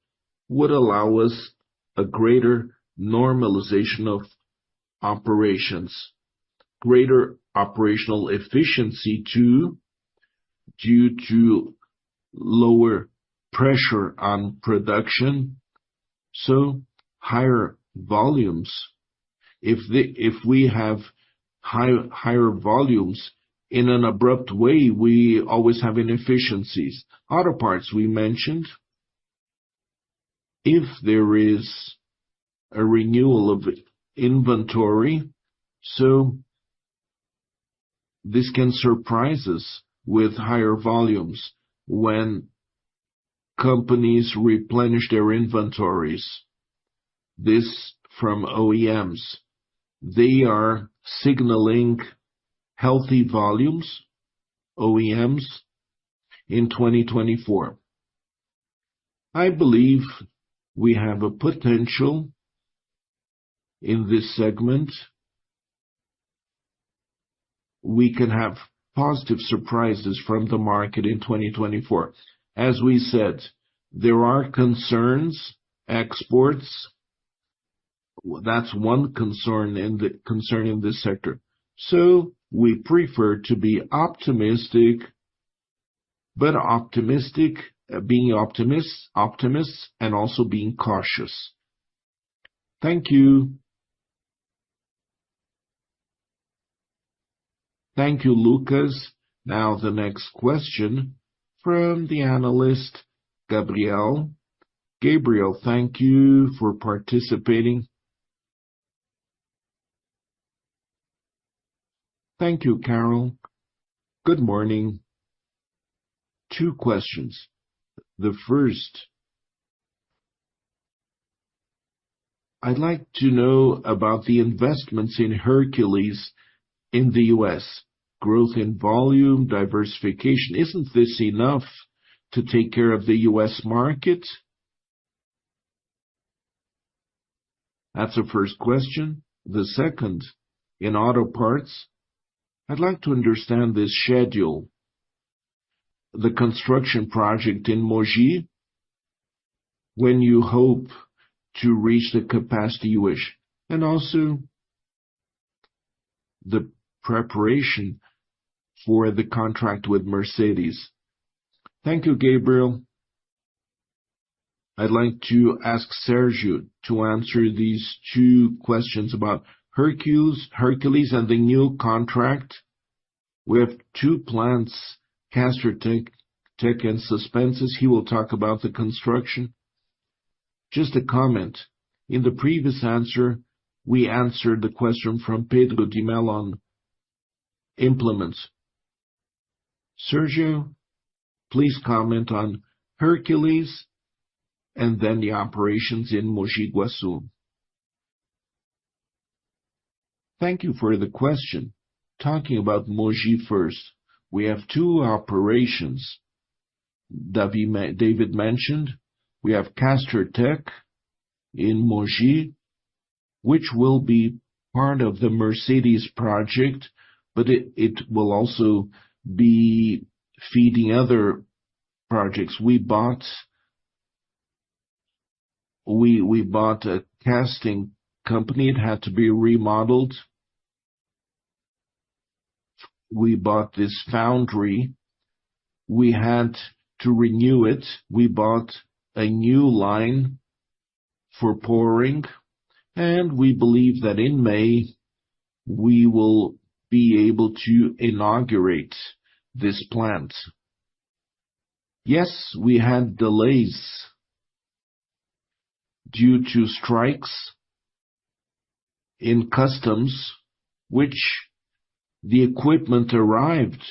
would allow us a greater normalization of operations, greater operational efficiency too due to lower pressure on production. So, higher volumes. If we have higher volumes in an abrupt way, we always have inefficiencies. Auto parts, we mentioned, if there is a renewal of inventory. So, this can surprise us with higher volumes when companies replenish their inventories. This from OEMs. They are signaling healthy volumes, OEMs, in 2024. I believe we have a potential in this segment. We can have positive surprises from the market in 2024. As we said, there are concerns, exports. That's one concern in the sector. So, we prefer to be optimistic, but optimistic, being optimists and also being cautious. Thank you. Thank you, Lucas. Now, the next question from the analyst Gabriel. Gabriel, thank you for participating. Thank you, Carol. Good morning. Two questions. The first, I'd like to know about the investments in Hercules in the U.S., growth in volume, diversification. Isn't this enough to take care of the U.S. market? That's the first question. The second, in auto parts, I'd like to understand this schedule. The construction project in Mogi Guaçu, when you hope to reach the capacity you wish. And also, the preparation for the contract with Mercedes. Thank you, Gabriel. I'd like to ask Sergio to answer these two questions about Hercules and the new contract. We have two plants, Castertech and Suspensys. He will talk about the construction. Just a comment. In the previous answer, we answered the question from Pedro by email on implements. Sergio, please comment on Hercules and then the operations in Mogi Guaçu. Thank you for the question. Talking about Mogi first, we have two operations that Davi mentioned. We have Castertech in Mogi, which will be part of the Mercedes project, but it will also be feeding other projects. We bought a casting company. It had to be remodeled. We bought this foundry. We had to renew it. We bought a new line for pouring. And we believe that in May, we will be able to inaugurate this plant. Yes, we had delays due to strikes in customs, which the equipment arrived,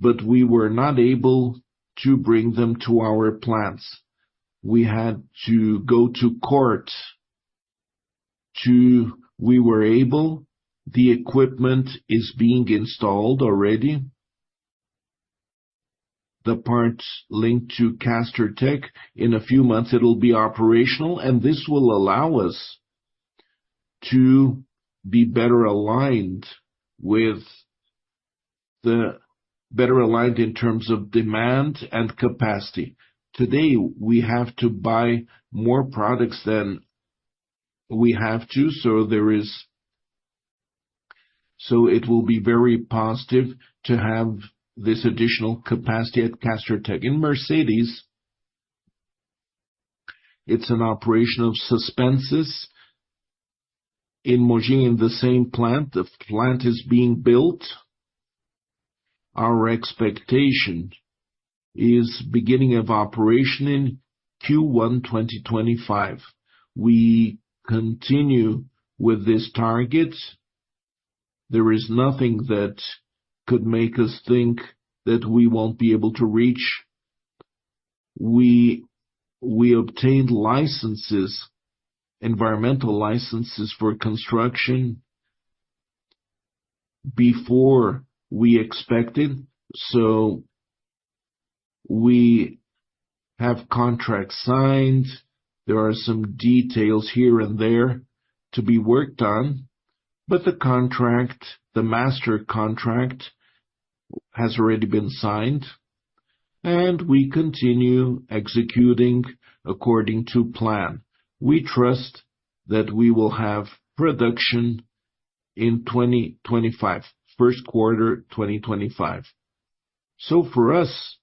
but we were not able to bring them to our plants. We had to go to court to we were able the equipment is being installed already. The parts linked to Castertech, in a few months, it will be operational, and this will allow us to be better aligned with the better aligned in terms of demand and capacity. Today, we have to buy more products than we have to, so it will be very positive to have this additional capacity at Castertech. In Mercedes, it's an operation of Suspensys. In Mogi Guaçu, in the same plant, the plant is being built. Our expectation is beginning of operation in Q1, 2025. We continue with this target. There is nothing that could make us think that we won't be able to reach. We obtained licenses, environmental licenses for construction before we expected, so we have contracts signed. There are some details here and there to be worked on, but the contract, the master contract, has already been signed. We continue executing according to plan. We trust that we will have production in 2025, Q1 2025. For us,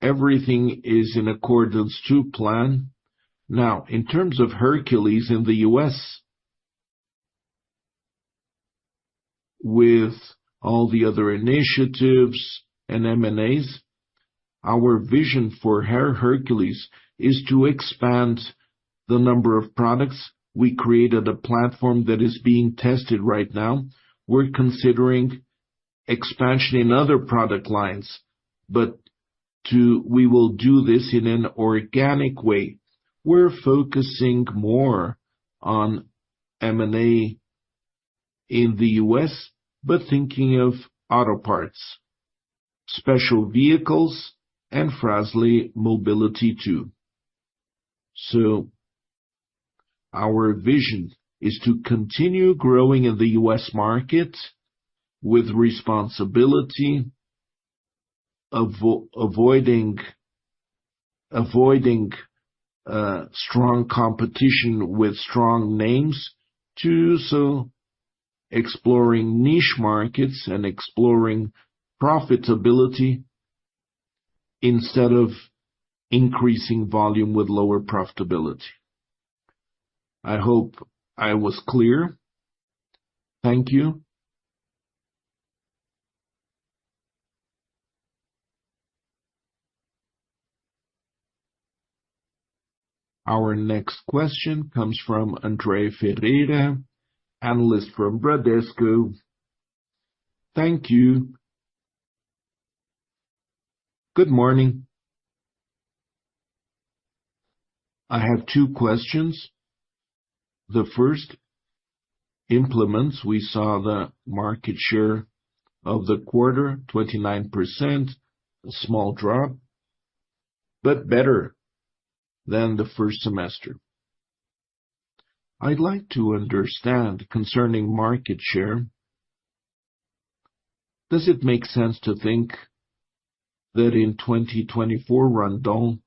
everything is in accordance to plan. Now, in terms of Hercules in the U.S., with all the other initiatives and M&As, our vision for Hercules is to expand the number of products. We created a platform that is being tested right now. We're considering expansion in other product lines, but we will do this in an organic way. We're focusing more on M&A in the U.S., but thinking of auto parts, special vehicles, and Frasle Mobility too. So, our vision is to continue growing in the U.S. market with responsibility, avoiding strong competition with strong names too, so exploring niche markets and exploring profitability instead of increasing volume with lower profitability. I hope I was clear. Thank you. Our next question comes from Andre Ferreira, analyst from Bradesco. Thank you. Good morning. I have two questions. The first, implements, we saw the market share of the quarter, 29%, a small drop, but better than the first semester. I'd like to understand, concerning market share, does it make sense to think that in 2024, Randoncorp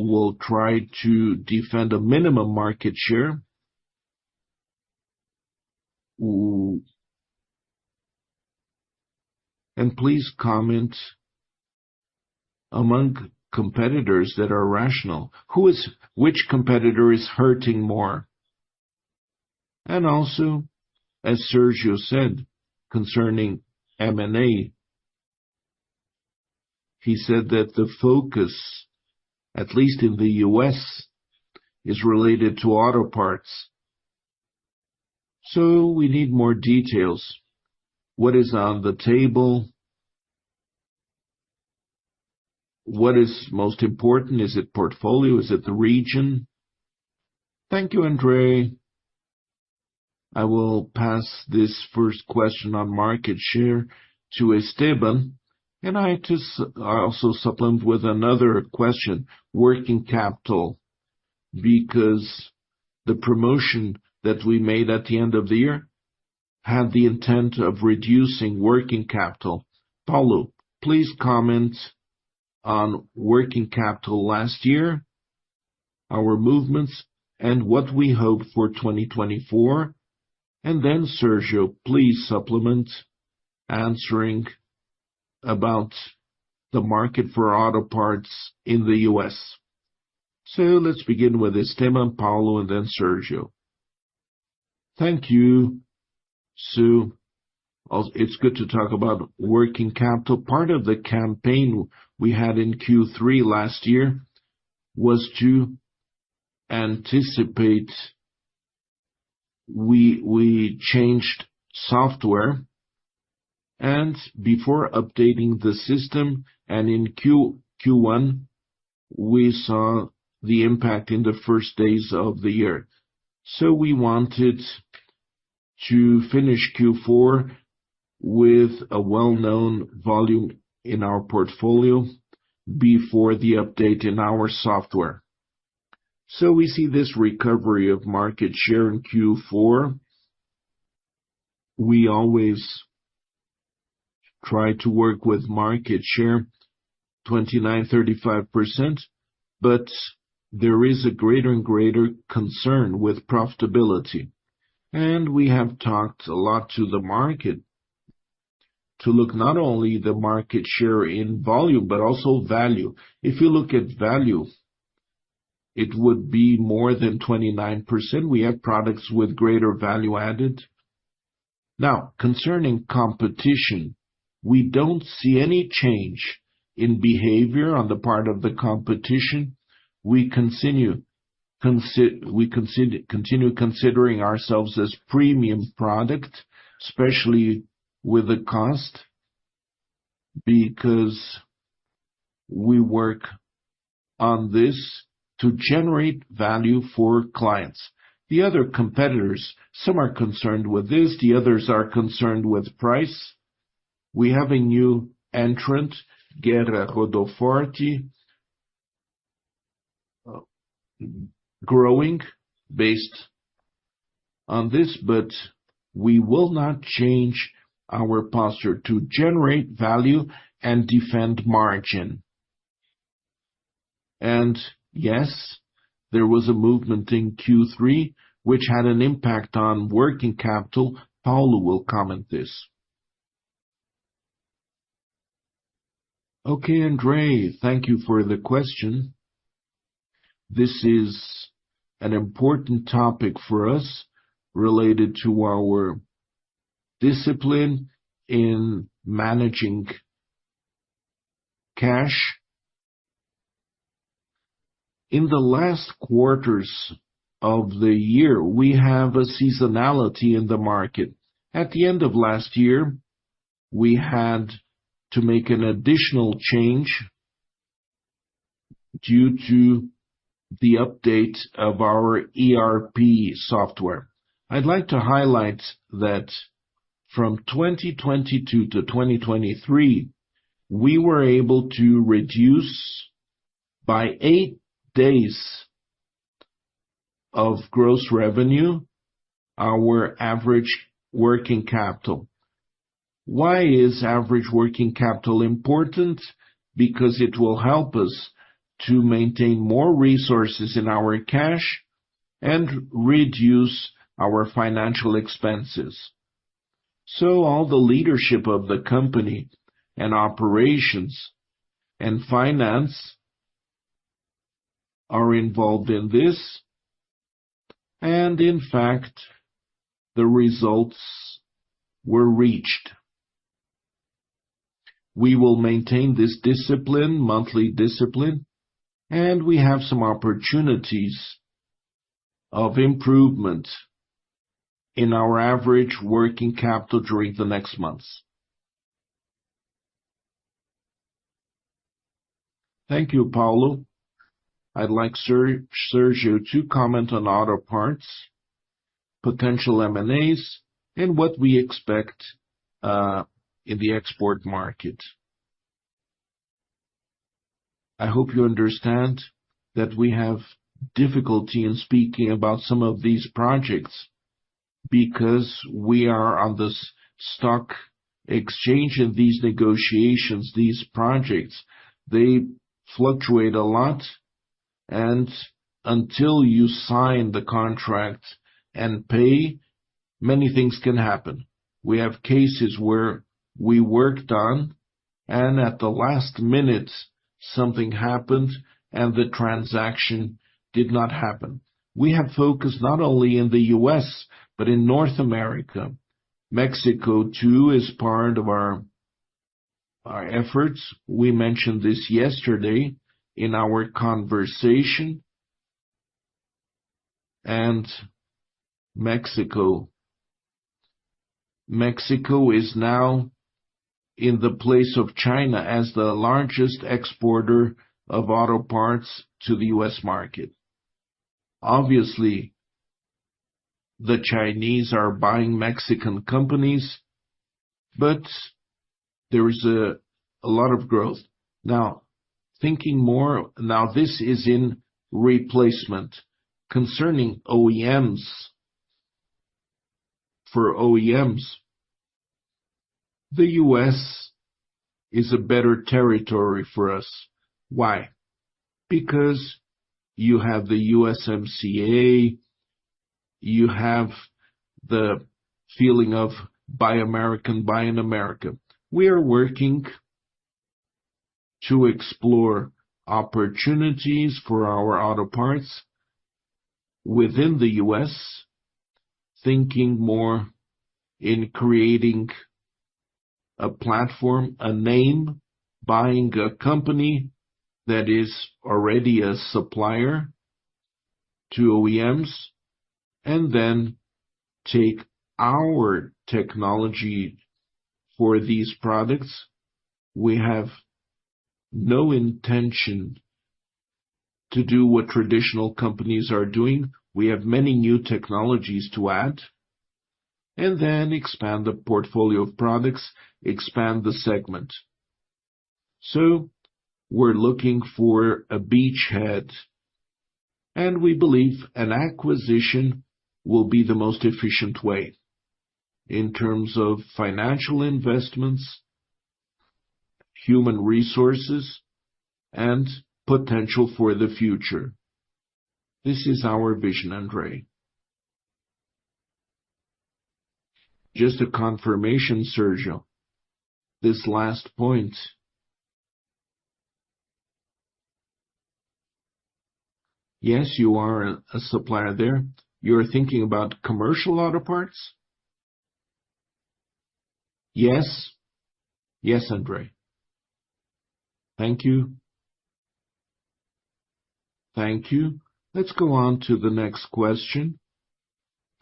will try to defend a minimum market share? And please comment among competitors that are rational. Who is which competitor is hurting more? And also, as Sérgio said, concerning M&A, he said that the focus, at least in the U.S., is related to auto parts. So, we need more details. What is on the table? What is most important? Is it portfolio? Is it the region? Thank you, Andre. I will pass this first question on market share to Esteban. I just also supplement with another question, working capital, because the promotion that we made at the end of the year had the intent of reducing working capital. Paulo, please comment on working capital last year, our movements, and what we hope for 2024. Then, Sérgio, please supplement answering about the market for auto parts in the U.S. Let's begin with Esteban, Paulo, and then Sérgio. Thank you, Sue. It's good to talk about working capital. Part of the campaign we had in Q3 last year was to anticipate we changed software. Before updating the system, and in Q1, we saw the impact in the first days of the year. We wanted to finish Q4 with a well-known volume in our portfolio before the update in our software. We see this recovery of market share in Q4. We always try to work with market share, 29-35%, but there is a greater and greater concern with profitability. We have talked a lot to the market to look not only at the market share in volume, but also value. If you look at value, it would be more than 29%. We have products with greater value added. Now, concerning competition, we don't see any change in behavior on the part of the competition. We continue considering ourselves as premium product, especially with the cost, because we work on this to generate value for clients. The other competitors, some are concerned with this, the others are concerned with price. We have a new entrant, Guerra Rodofort, growing based on this, but we will not change our posture to generate value and defend margin. Yes, there was a movement in Q3, which had an impact on working capital. Paulo will comment this. Okay, Andrei, thank you for the question. This is an important topic for us related to our discipline in managing cash. In the last quarters of the year, we have a seasonality in the market. At the end of last year, we had to make an additional change due to the update of our ERP software. I'd like to highlight that from 2022 to 2023, we were able to reduce by eight days of gross revenue our average working capital. Why is average working capital important? Because it will help us to maintain more resources in our cash and reduce our financial expenses. So, all the leadership of the company and operations and finance are involved in this. And in fact, the results were reached. We will maintain this discipline, monthly discipline, and we have some opportunities of improvement in our average working capital during the next months. Thank you, Paulo. I'd like Sérgio to comment on auto parts, potential M&As, and what we expect in the export market. I hope you understand that we have difficulty in speaking about some of these projects because we are on this stock exchange in these negotiations, these projects. They fluctuate a lot. And until you sign the contract and pay, many things can happen. We have cases where we worked on, and at the last minute, something happened and the transaction did not happen. We have focused not only in the U.S., but in North America. Mexico too is part of our efforts. We mentioned this yesterday in our conversation. Mexico. Mexico is now in the place of China as the largest exporter of auto parts to the U.S. market. Obviously, the Chinese are buying Mexican companies, but there is a lot of growth. Now, thinking more now, this is in replacement. Concerning OEMs for OEMs, the U.S. is a better territory for us. Why? Because you have the USMCA, you have the feeling of Buy American, Buy in America. We are working to explore opportunities for our auto parts within the U.S., thinking more in creating a platform, a name, buying a company that is already a supplier to OEMs, and then take our technology for these products. We have no intention to do what traditional companies are doing. We have many new technologies to add and then expand the portfolio of products, expand the segment. So, we're looking for a beachhead. And we believe an acquisition will be the most efficient way in terms of financial investments, human resources, and potential for the future. This is our vision, Andre. Just a confirmation, Sérgio, this last point. Yes, you are a supplier there. You are thinking about commercial auto parts? Yes. Yes, Andre. Thank you. Thank you. Let's go on to the next question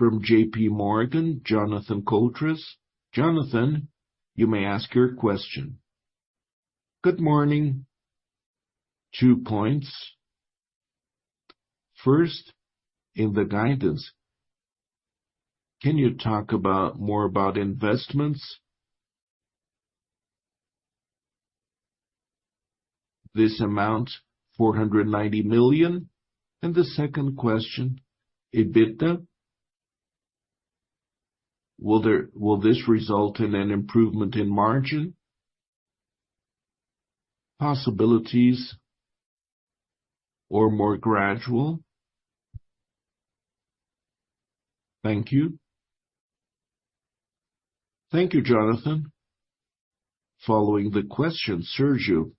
from JPMorgan, Jonathan Koutras. Jonathan, you may ask your question. Good morning. Two points. First, in the guidance, can you talk more about investments? This amount, $490 million. And the second question, EBITDA. Will this result in an improvement in margin? Possibilities? Or more gradual? Thank you. Thank you, Jonathan. Following the question, Sérgio.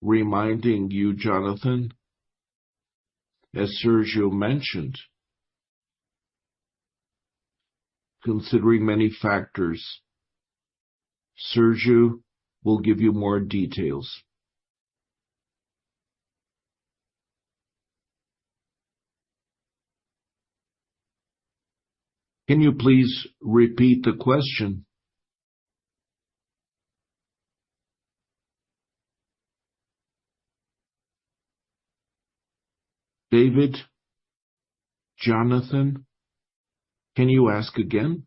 Reminding you, Jonathan, as Sérgio mentioned, considering many factors, Sérgio will give you more details. Can you please repeat the question? Davi? Jonathan? Can you ask again?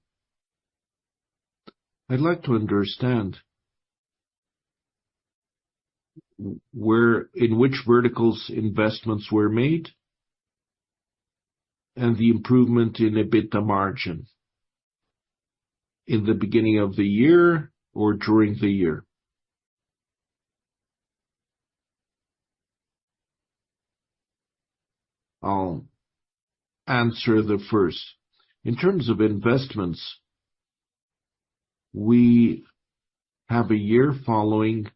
I'd like to understand where in which verticals investments were made? And the improvement in EBITDA margin? In the beginning of the year or during the year? I'll answer the first. In terms of investments, we have a year following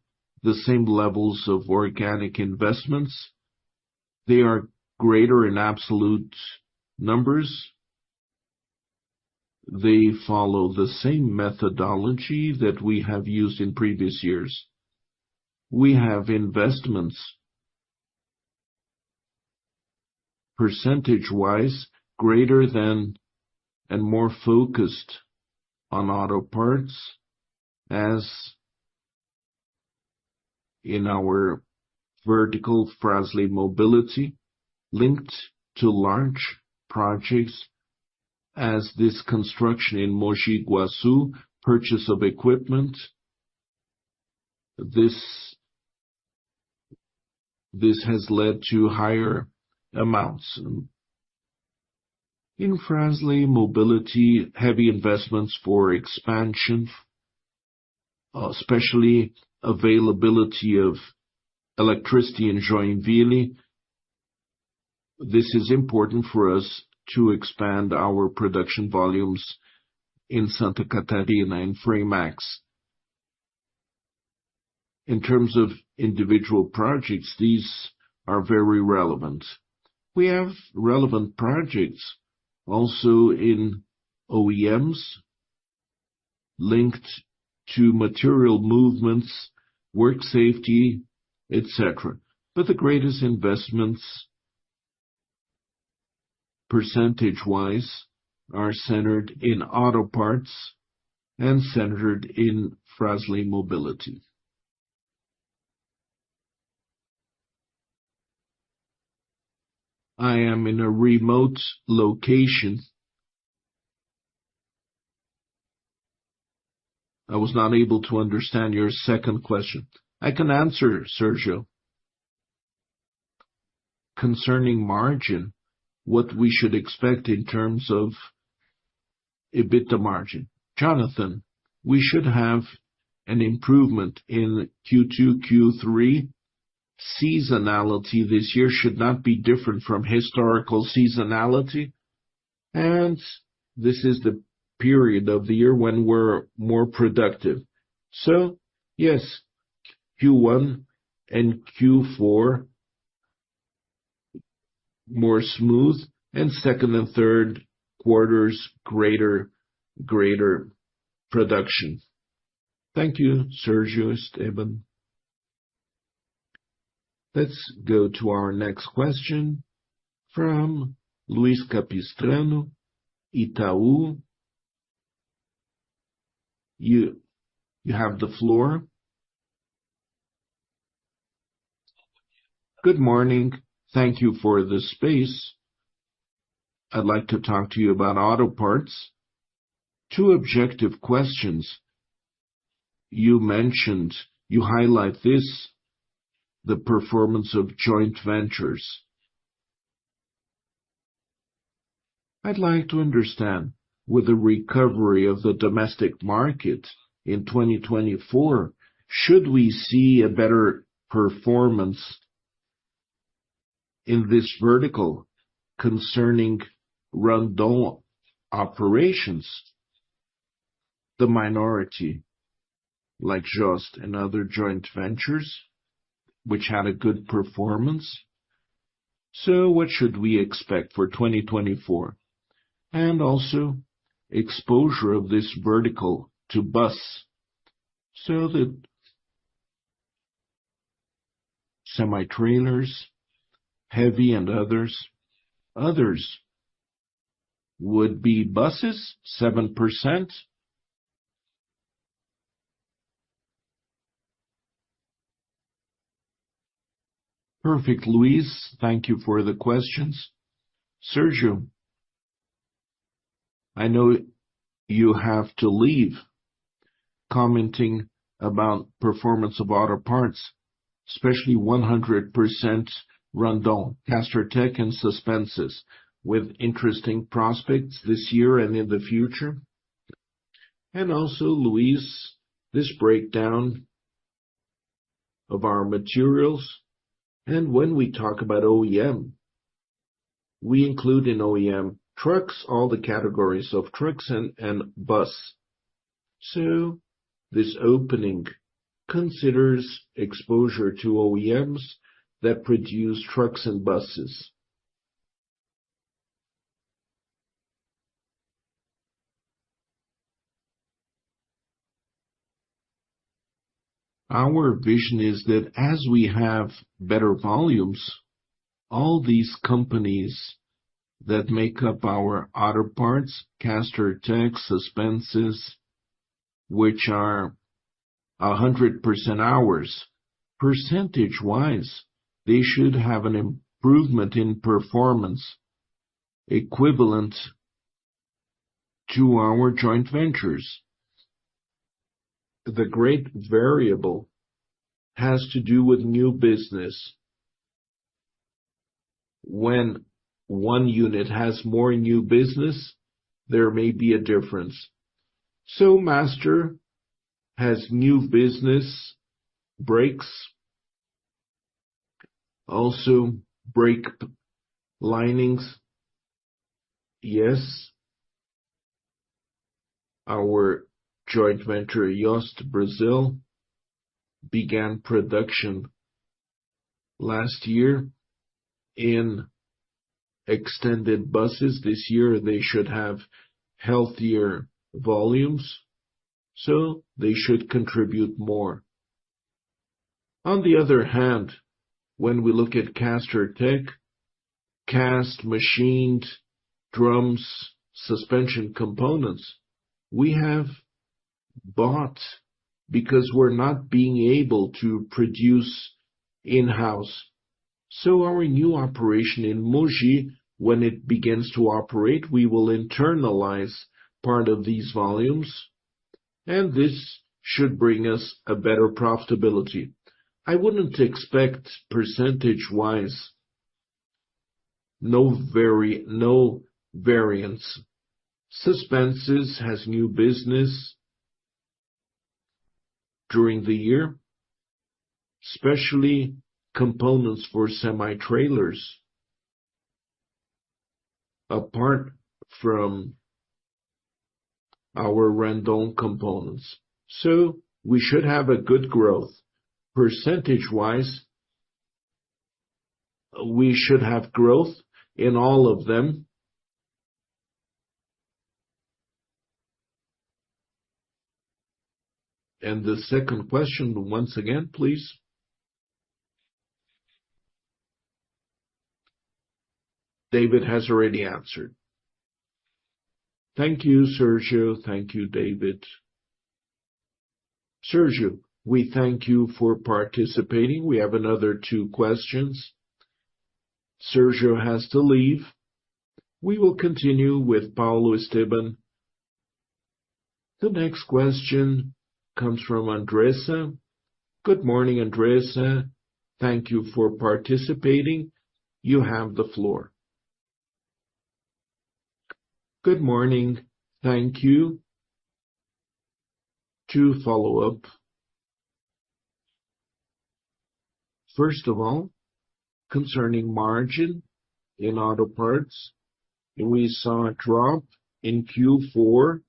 the same levels of organic investments. They are greater in absolute numbers. They follow the same methodology that we have used in previous years. We have investments percentage-wise greater than and more focused on auto parts as in our vertical Frasle Mobility, linked to large projects as this construction in Mogi Guaçu, purchase of equipment. This has led to higher amounts. In Frasle Mobility, heavy investments for expansion, especially availability of electricity in Joinville. This is important for us to expand our production volumes in Santa Catarina and Fremax. In terms of individual projects, these are very relevant. We have relevant projects also in OEMs linked to material movements, work safety, etc. But the greatest investments percentage-wise are centered in auto parts and centered in Frasle Mobility. I am in a remote location. I was not able to understand your second question. I can answer, Sérgio. Concerning margin, what we should expect in terms of EBITDA margin? Jonathan, we should have an improvement in Q2, Q3. Seasonality this year should not be different from historical seasonality. And this is the period of the year when we're more productive. So, yes, Q1 and Q4 more smooth and second and third quarters greater production. Thank you, Sérgio, Esteban. Let's go to our next question from Luiz Capistrano, Itaú. You have the floor. Good morning. Thank you for the space. I'd like to talk to you about auto parts. Two objective questions. You mentioned you highlight this, the performance of joint ventures. I'd like to understand, with the recovery of the domestic market in 2024, should we see a better performance in this vertical concerning Randon operations? The minority, like JOST and other joint ventures, which had a good performance. So, what should we expect for 2024? And also, exposure of this vertical to buses, so that semi-trailers, heavy, and others. Others would be buses, 7%. Perfect, Luiz. Thank you for the questions. Sérgio, I know you have to leave commenting about performance of auto parts, especially 100% Randon, Castertech and Suspensys, with interesting prospects this year and in the future. And also, Luiz, this breakdown of our markets. And when we talk about OEM, we include in OEM trucks, all the categories of trucks and buses. So, this opening considers exposure to OEMs that produce trucks and buses. Our vision is that as we have better volumes, all these companies that make up our auto parts, Castertech, Suspensys, which are 100% ours, percentage-wise, they should have an improvement in performance equivalent to our joint ventures. The great variable has to do with new business. When one unit has more new business, there may be a difference. So, Master has new business brakes, also brake linings. Yes. Our joint venture, JOST Brasil, began production last year in extended buses. This year, they should have healthier volumes, so they should contribute more. On the other hand, when we look at Castertech, cast, machined, drums, suspension components, we have bought because we're not being able to produce in-house. So, our new operation in Mogi, when it begins to operate, we will internalize part of these volumes. And this should bring us a better profitability. I wouldn't expect percentage-wise no variance. Suspensys has new business during the year, especially components for semi-trailers, apart from our Randon components. So, we should have a good growth. Percentage-wise, we should have growth in all of them. And the second question, once again, please. Davi has already answered. Thank you, Sérgio. Thank you, Davi. Sérgio, we thank you for participating. We have another two questions. Sérgio has to leave. We will continue with Paulo, Esteban. The next question comes from Andressa. Good morning, Andressa. Thank you for participating. You have the floor. Good morning. Thank you. Two follow-up. First of all, concerning margin in auto parts, we saw a drop in Q4.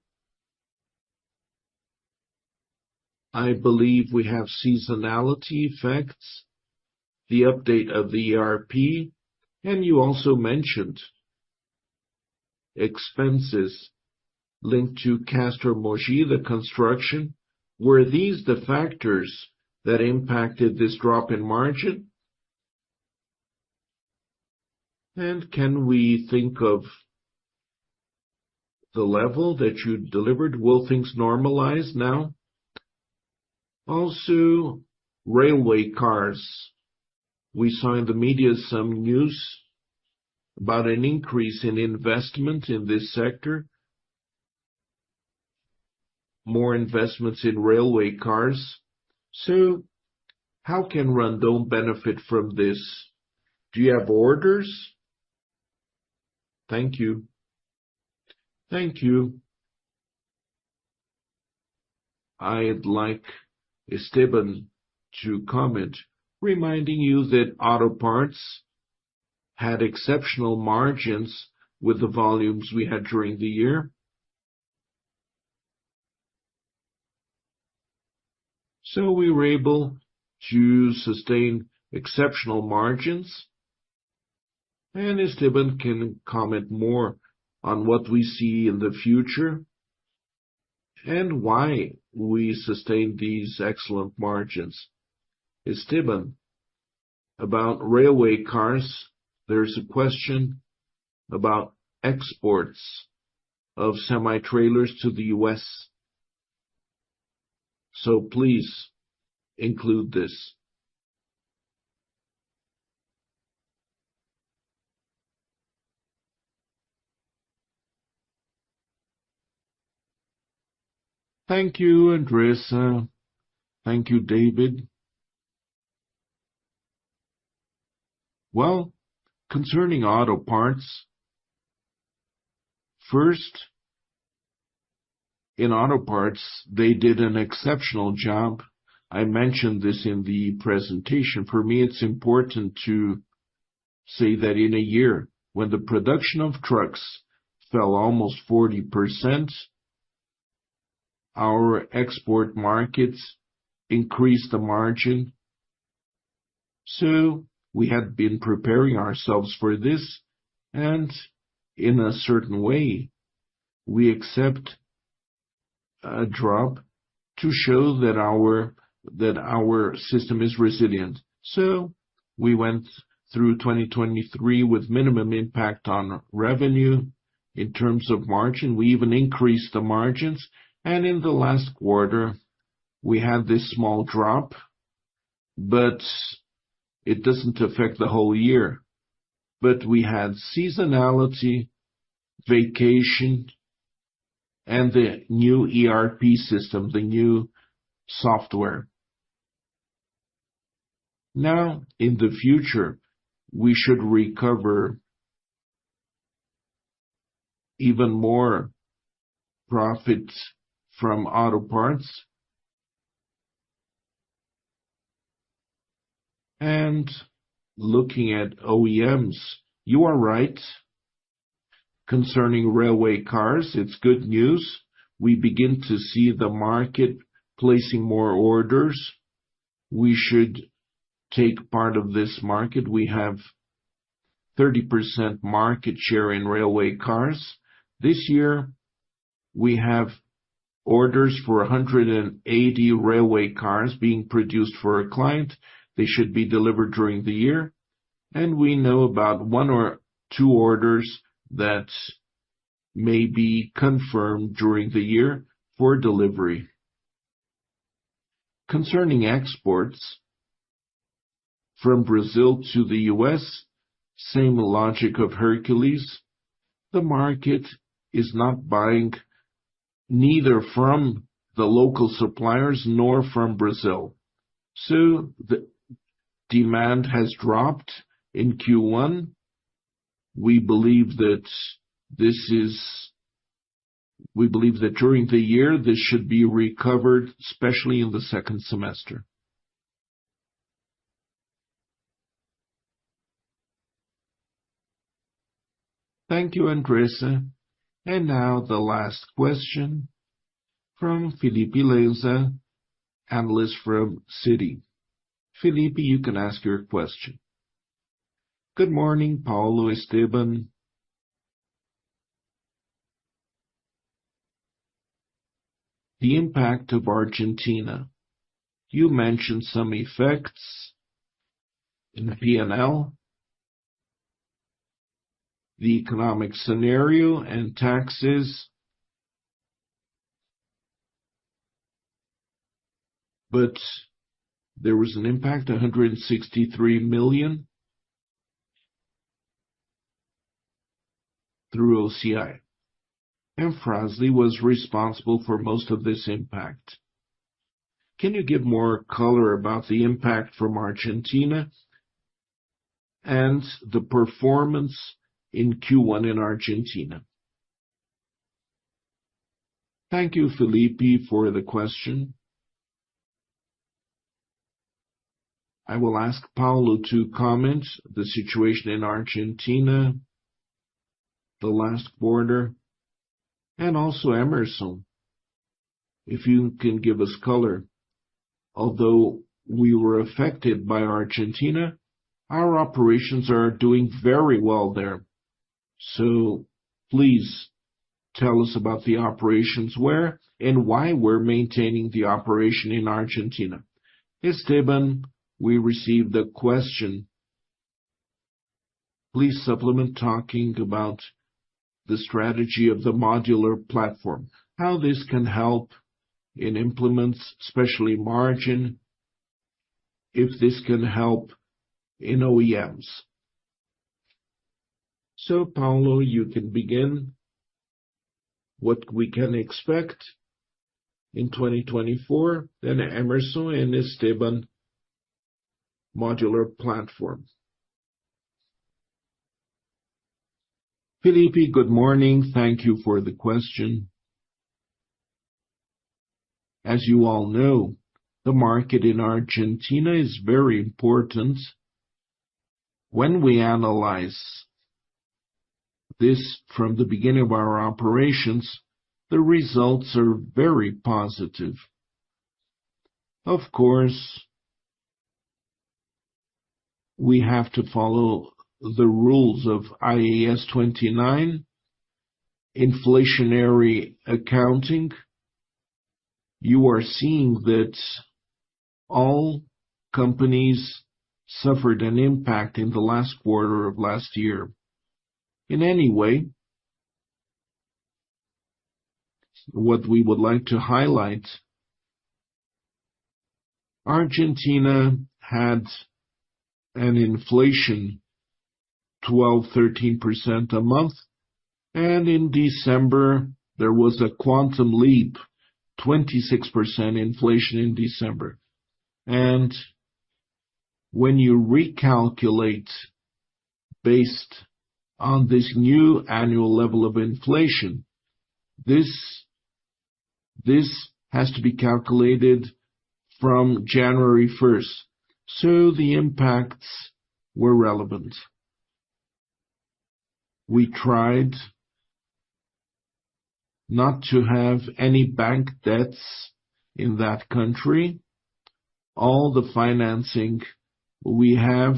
I believe we have seasonality effects, the update of the ERP. And you also mentioned expenses linked to Castertech Mogi, the construction. Were these the factors that impacted this drop in margin? And can we think of the level that you delivered? Will things normalize now? Also, railway cars. We saw in the media some news about an increase in investment in this sector, more investments in railway cars. So, how can Randon benefit from this? Do you have orders? Thank you. Thank you. I'd like Esteban to comment, reminding you that auto parts had exceptional margins with the volumes we had during the year. So, we were able to sustain exceptional margins. And Esteban can comment more on what we see in the future and why we sustained these excellent margins. Esteban, about railway cars, there's a question about exports of semi-trailers to the U.S. So, please include this. Thank you, Fernanda. Thank you, Davi. Well, concerning auto parts, first, in auto parts, they did an exceptional job. I mentioned this in the presentation. For me, it's important to say that in a year, when the production of trucks fell almost 40%, our export markets increased the margin. So, we had been preparing ourselves for this. In a certain way, we accept a drop to show that our system is resilient. So, we went through 2023 with minimum impact on revenue in terms of margin. We even increased the margins. In the last quarter, we had this small drop, but it doesn't affect the whole year. But we had seasonality, vacation, and the new ERP system, the new software. Now, in the future, we should recover even more profits from auto parts. Looking at OEMs, you are right. Concerning railway cars, it's good news. We begin to see the market placing more orders. We should take part of this market. We have 30% market share in railway cars. This year, we have orders for 180 railway cars being produced for a client. They should be delivered during the year. And we know about one or two orders that may be confirmed during the year for delivery. Concerning exports from Brazil to the U.S., same logic of Hercules. The market is not buying neither from the local suppliers nor from Brazil. So, the demand has dropped in Q1. We believe that this is—we believe that during the year, this should be recovered, especially in the second semester. Thank you, Andressa. And now the last question from Felipe Leal, analyst from Citi. Felipe, you can ask your question. Good morning, Paulo, Esteban. The impact of Argentina. You mentioned some effects in the P&L, the economic scenario, and taxes. But there was an impact, 163 million, through OCI. And Frasle was responsible for most of this impact. Can you give more color about the impact from Argentina and the performance in Q1 in Argentina? Thank you, Felipe, for the question. I will ask Paulo to comment the situation in Argentina, the last quarter, and also Hemerson. If you can give us color. Although we were affected by Argentina, our operations are doing very well there. So, please tell us about the operations where and why we're maintaining the operation in Argentina. Esteban, we received a question. Please supplement talking about the strategy of the modular platform, how this can help in implements, especially margin, if this can help in OEMs. So, Paulo, you can begin. What we can expect in 2024, then Hemerson and Esteban, modular platform. Felipe, good morning. Thank you for the question. As you all know, the market in Argentina is very important. When we analyze this from the beginning of our operations, the results are very positive. Of course, we have to follow the rules of IAS 29, inflationary accounting. You are seeing that all companies suffered an impact in the last quarter of last year. In any way, what we would like to highlight, Argentina had an inflation, 12%-13% a month. And in December, there was a quantum leap, 26% inflation in December. And when you recalculate based on this new annual level of inflation, this has to be calculated from January 1st. So, the impacts were relevant. We tried not to have any bank debts in that country. All the financing we have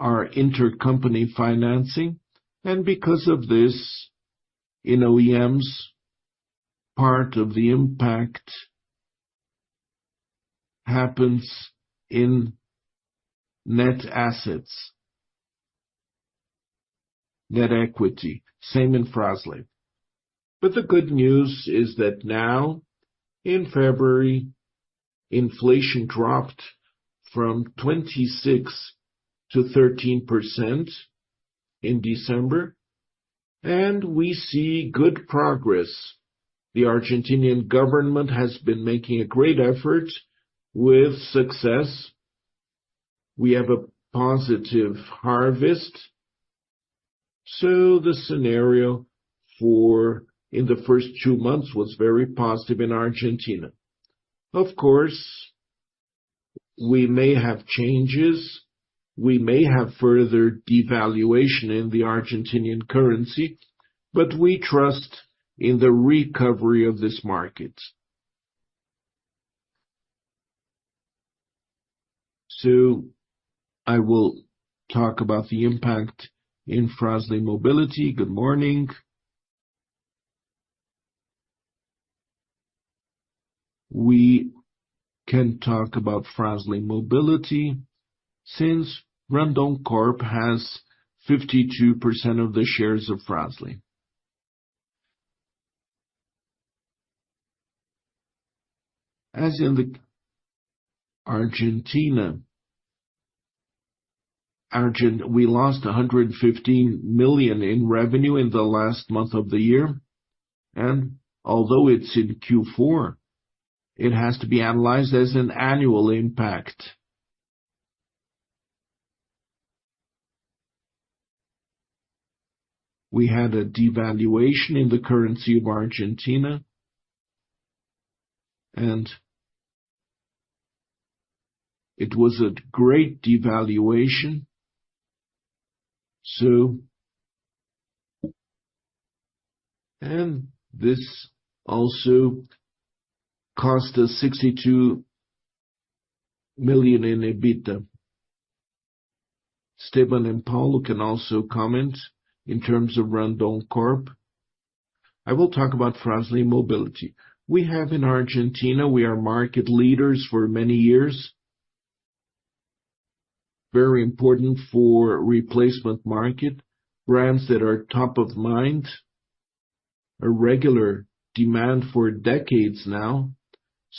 are intercompany financing. And because of this, in OEMs, part of the impact happens in net assets, net equity. Same in Frasle. But the good news is that now, in February, inflation dropped from 26% to 13% in December. And we see good progress. The Argentine government has been making a great effort with success. We have a positive harvest. So, the scenario for in the first two months was very positive in Argentina. Of course, we may have changes. We may have further devaluation in the Argentine currency. But we trust in the recovery of this market. So, I will talk about the impact in Frasle Mobility. Good morning. We can talk about Frasle Mobility since Randoncorp has 52% of the shares of Frasle. As in the Argentina, we lost 115 million in revenue in the last month of the year. And although it's in Q4, it has to be analyzed as an annual impact. We had a devaluation in the currency of Argentina. And it was a great devaluation. This also cost us 62 million in EBITDA. Esteban and Paulo can also comment in terms of Randoncorp. I will talk about Frasle Mobility. We have in Argentina; we are market leaders for many years, very important for the replacement market, brands that are top of mind, a regular demand for decades now.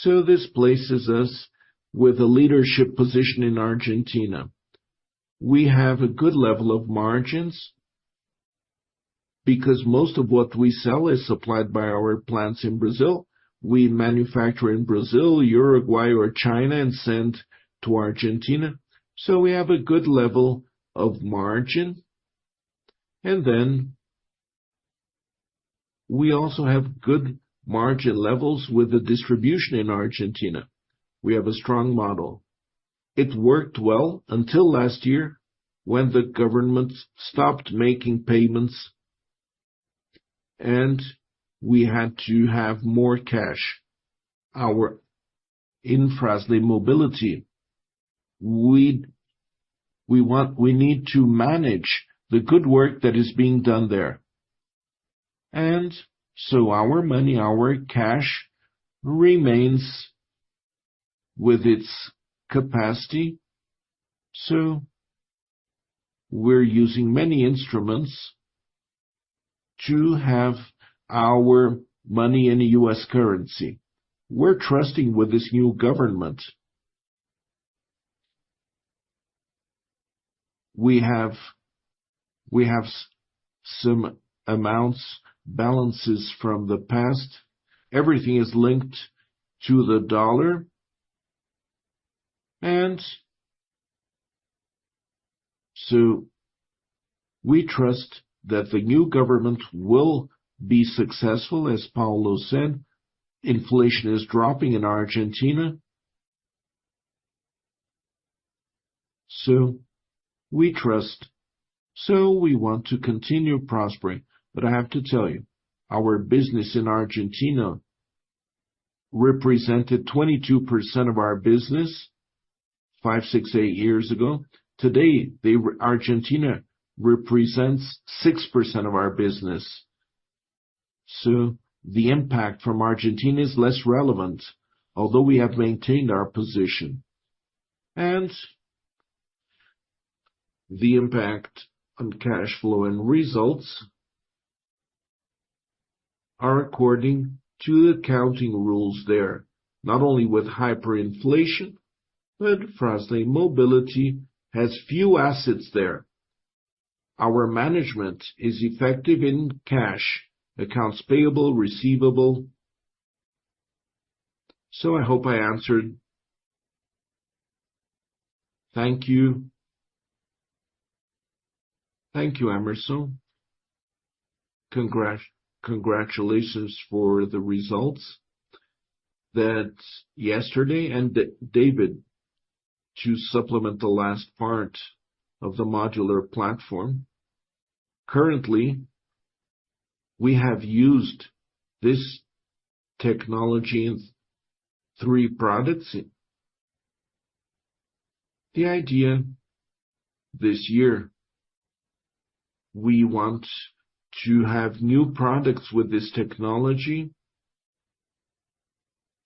This places us with a leadership position in Argentina. We have a good level of margins because most of what we sell is supplied by our plants in Brazil. We manufacture in Brazil, Uruguay, or China, and send to Argentina. We have a good level of margin. And then we also have good margin levels with the distribution in Argentina. We have a strong model. It worked well until last year when the government stopped making payments and we had to have more cash. Our in Frasle Mobility, we want we need to manage the good work that is being done there. And so, our money, our cash remains with its capacity. So, we're using many instruments to have our money in U.S. currency. We're trusting with this new government. We have some amounts, balances from the past. Everything is linked to the dollar. And so, we trust that the new government will be successful, as Paulo said. Inflation is dropping in Argentina. So, we trust. So, we want to continue prospering. But I have to tell you, our business in Argentina represented 22% of our business 5-6-8 years ago. Today, Argentina represents 6% of our business. So, the impact from Argentina is less relevant, although we have maintained our position. The impact on cash flow and results are according to the accounting rules there, not only with hyperinflation, but Frasle Mobility has few assets there. Our management is effective in cash, accounts payable, receivable. So, I hope I answered. Thank you. Thank you, Hemerson. Congratulations for the results that yesterday and Davi, to supplement the last part of the modular platform. Currently, we have used this technology in three products. The idea this year, we want to have new products with this technology,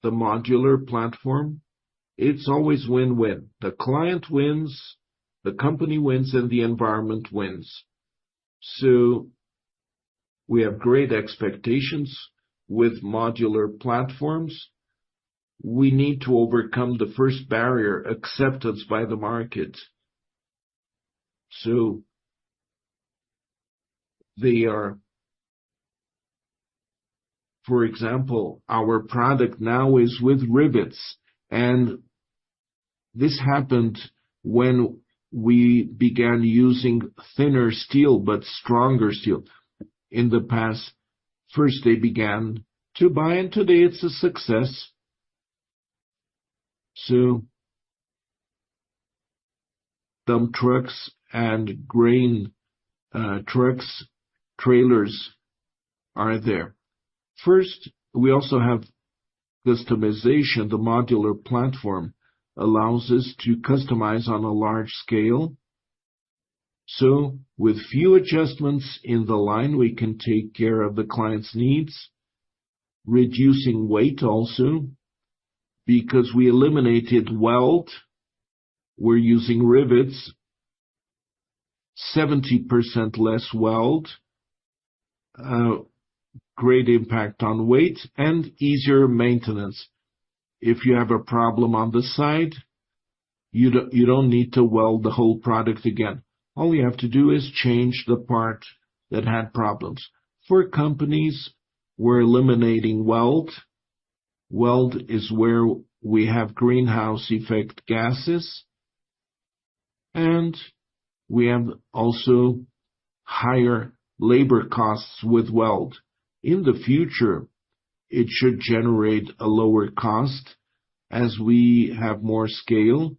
the modular platform. It's always win-win. The client wins, the company wins, and the environment wins. So, we have great expectations with modular platforms. We need to overcome the first barrier, acceptance by the market. So, they are, for example, our product now is with rivets. This happened when we began using thinner steel but stronger steel. In the past, first they began to buy, and today it's a success. So, dump trucks and grain trucks, trailers are there. First, we also have customization. The modular platform allows us to customize on a large scale. So, with few adjustments in the line, we can take care of the client's needs, reducing weight also because we eliminated weld. We're using rivets, 70% less weld, great impact on weight, and easier maintenance. If you have a problem on the side, you don't need to weld the whole product again. All you have to do is change the part that had problems. For companies, we're eliminating weld. Weld is where we have greenhouse effect gases. And we have also higher labor costs with weld. In the future, it should generate a lower cost as we have more scale.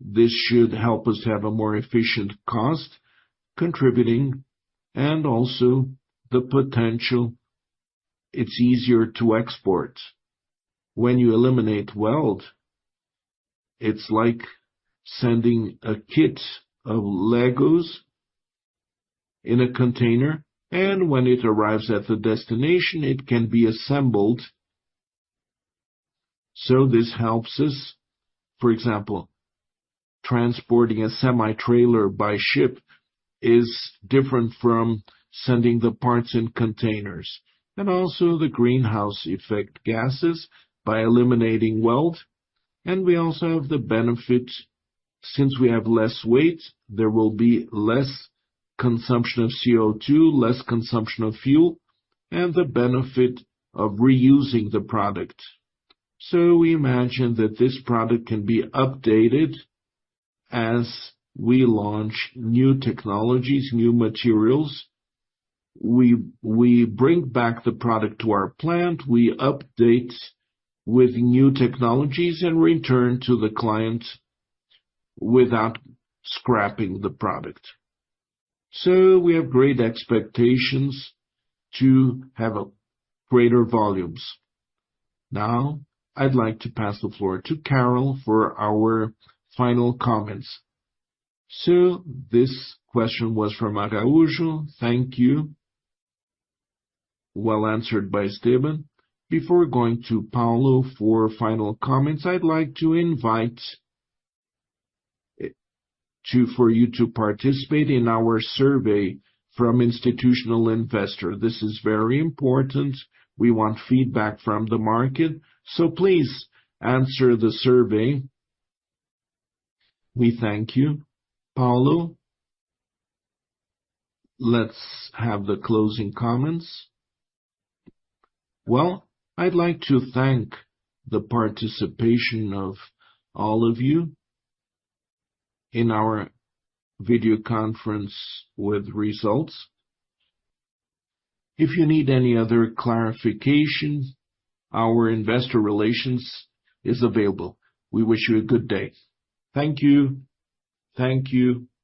This should help us have a more efficient cost contributing and also the potential. It's easier to export. When you eliminate weld, it's like sending a kit of Legos in a container. And when it arrives at the destination, it can be assembled. So, this helps us. For example, transporting a semi-trailer by ship is different from sending the parts in containers. And also the greenhouse effect gases by eliminating weld. And we also have the benefit since we have less weight. There will be less consumption of CO2, less consumption of fuel, and the benefit of reusing the product. So, we imagine that this product can be updated as we launch new technologies, new materials. We bring back the product to our plant, we update with new technologies, and return to the client without scrapping the product. So, we have great expectations to have greater volumes. Now, I'd like to pass the floor to Carol for our final comments. So, this question was from Araujo. Thank you. Well answered by Esteban. Before going to Paulo for final comments, I'd like to invite you to participate in our survey from Institutional Investor. This is very important. We want feedback from the market. So, please answer the survey. We thank you. Paulo, let's have the closing comments. Well, I'd like to thank the participation of all of you in our video conference with results. If you need any other clarification, our investor relations is available. We wish you a good day. Thank you. Thank you.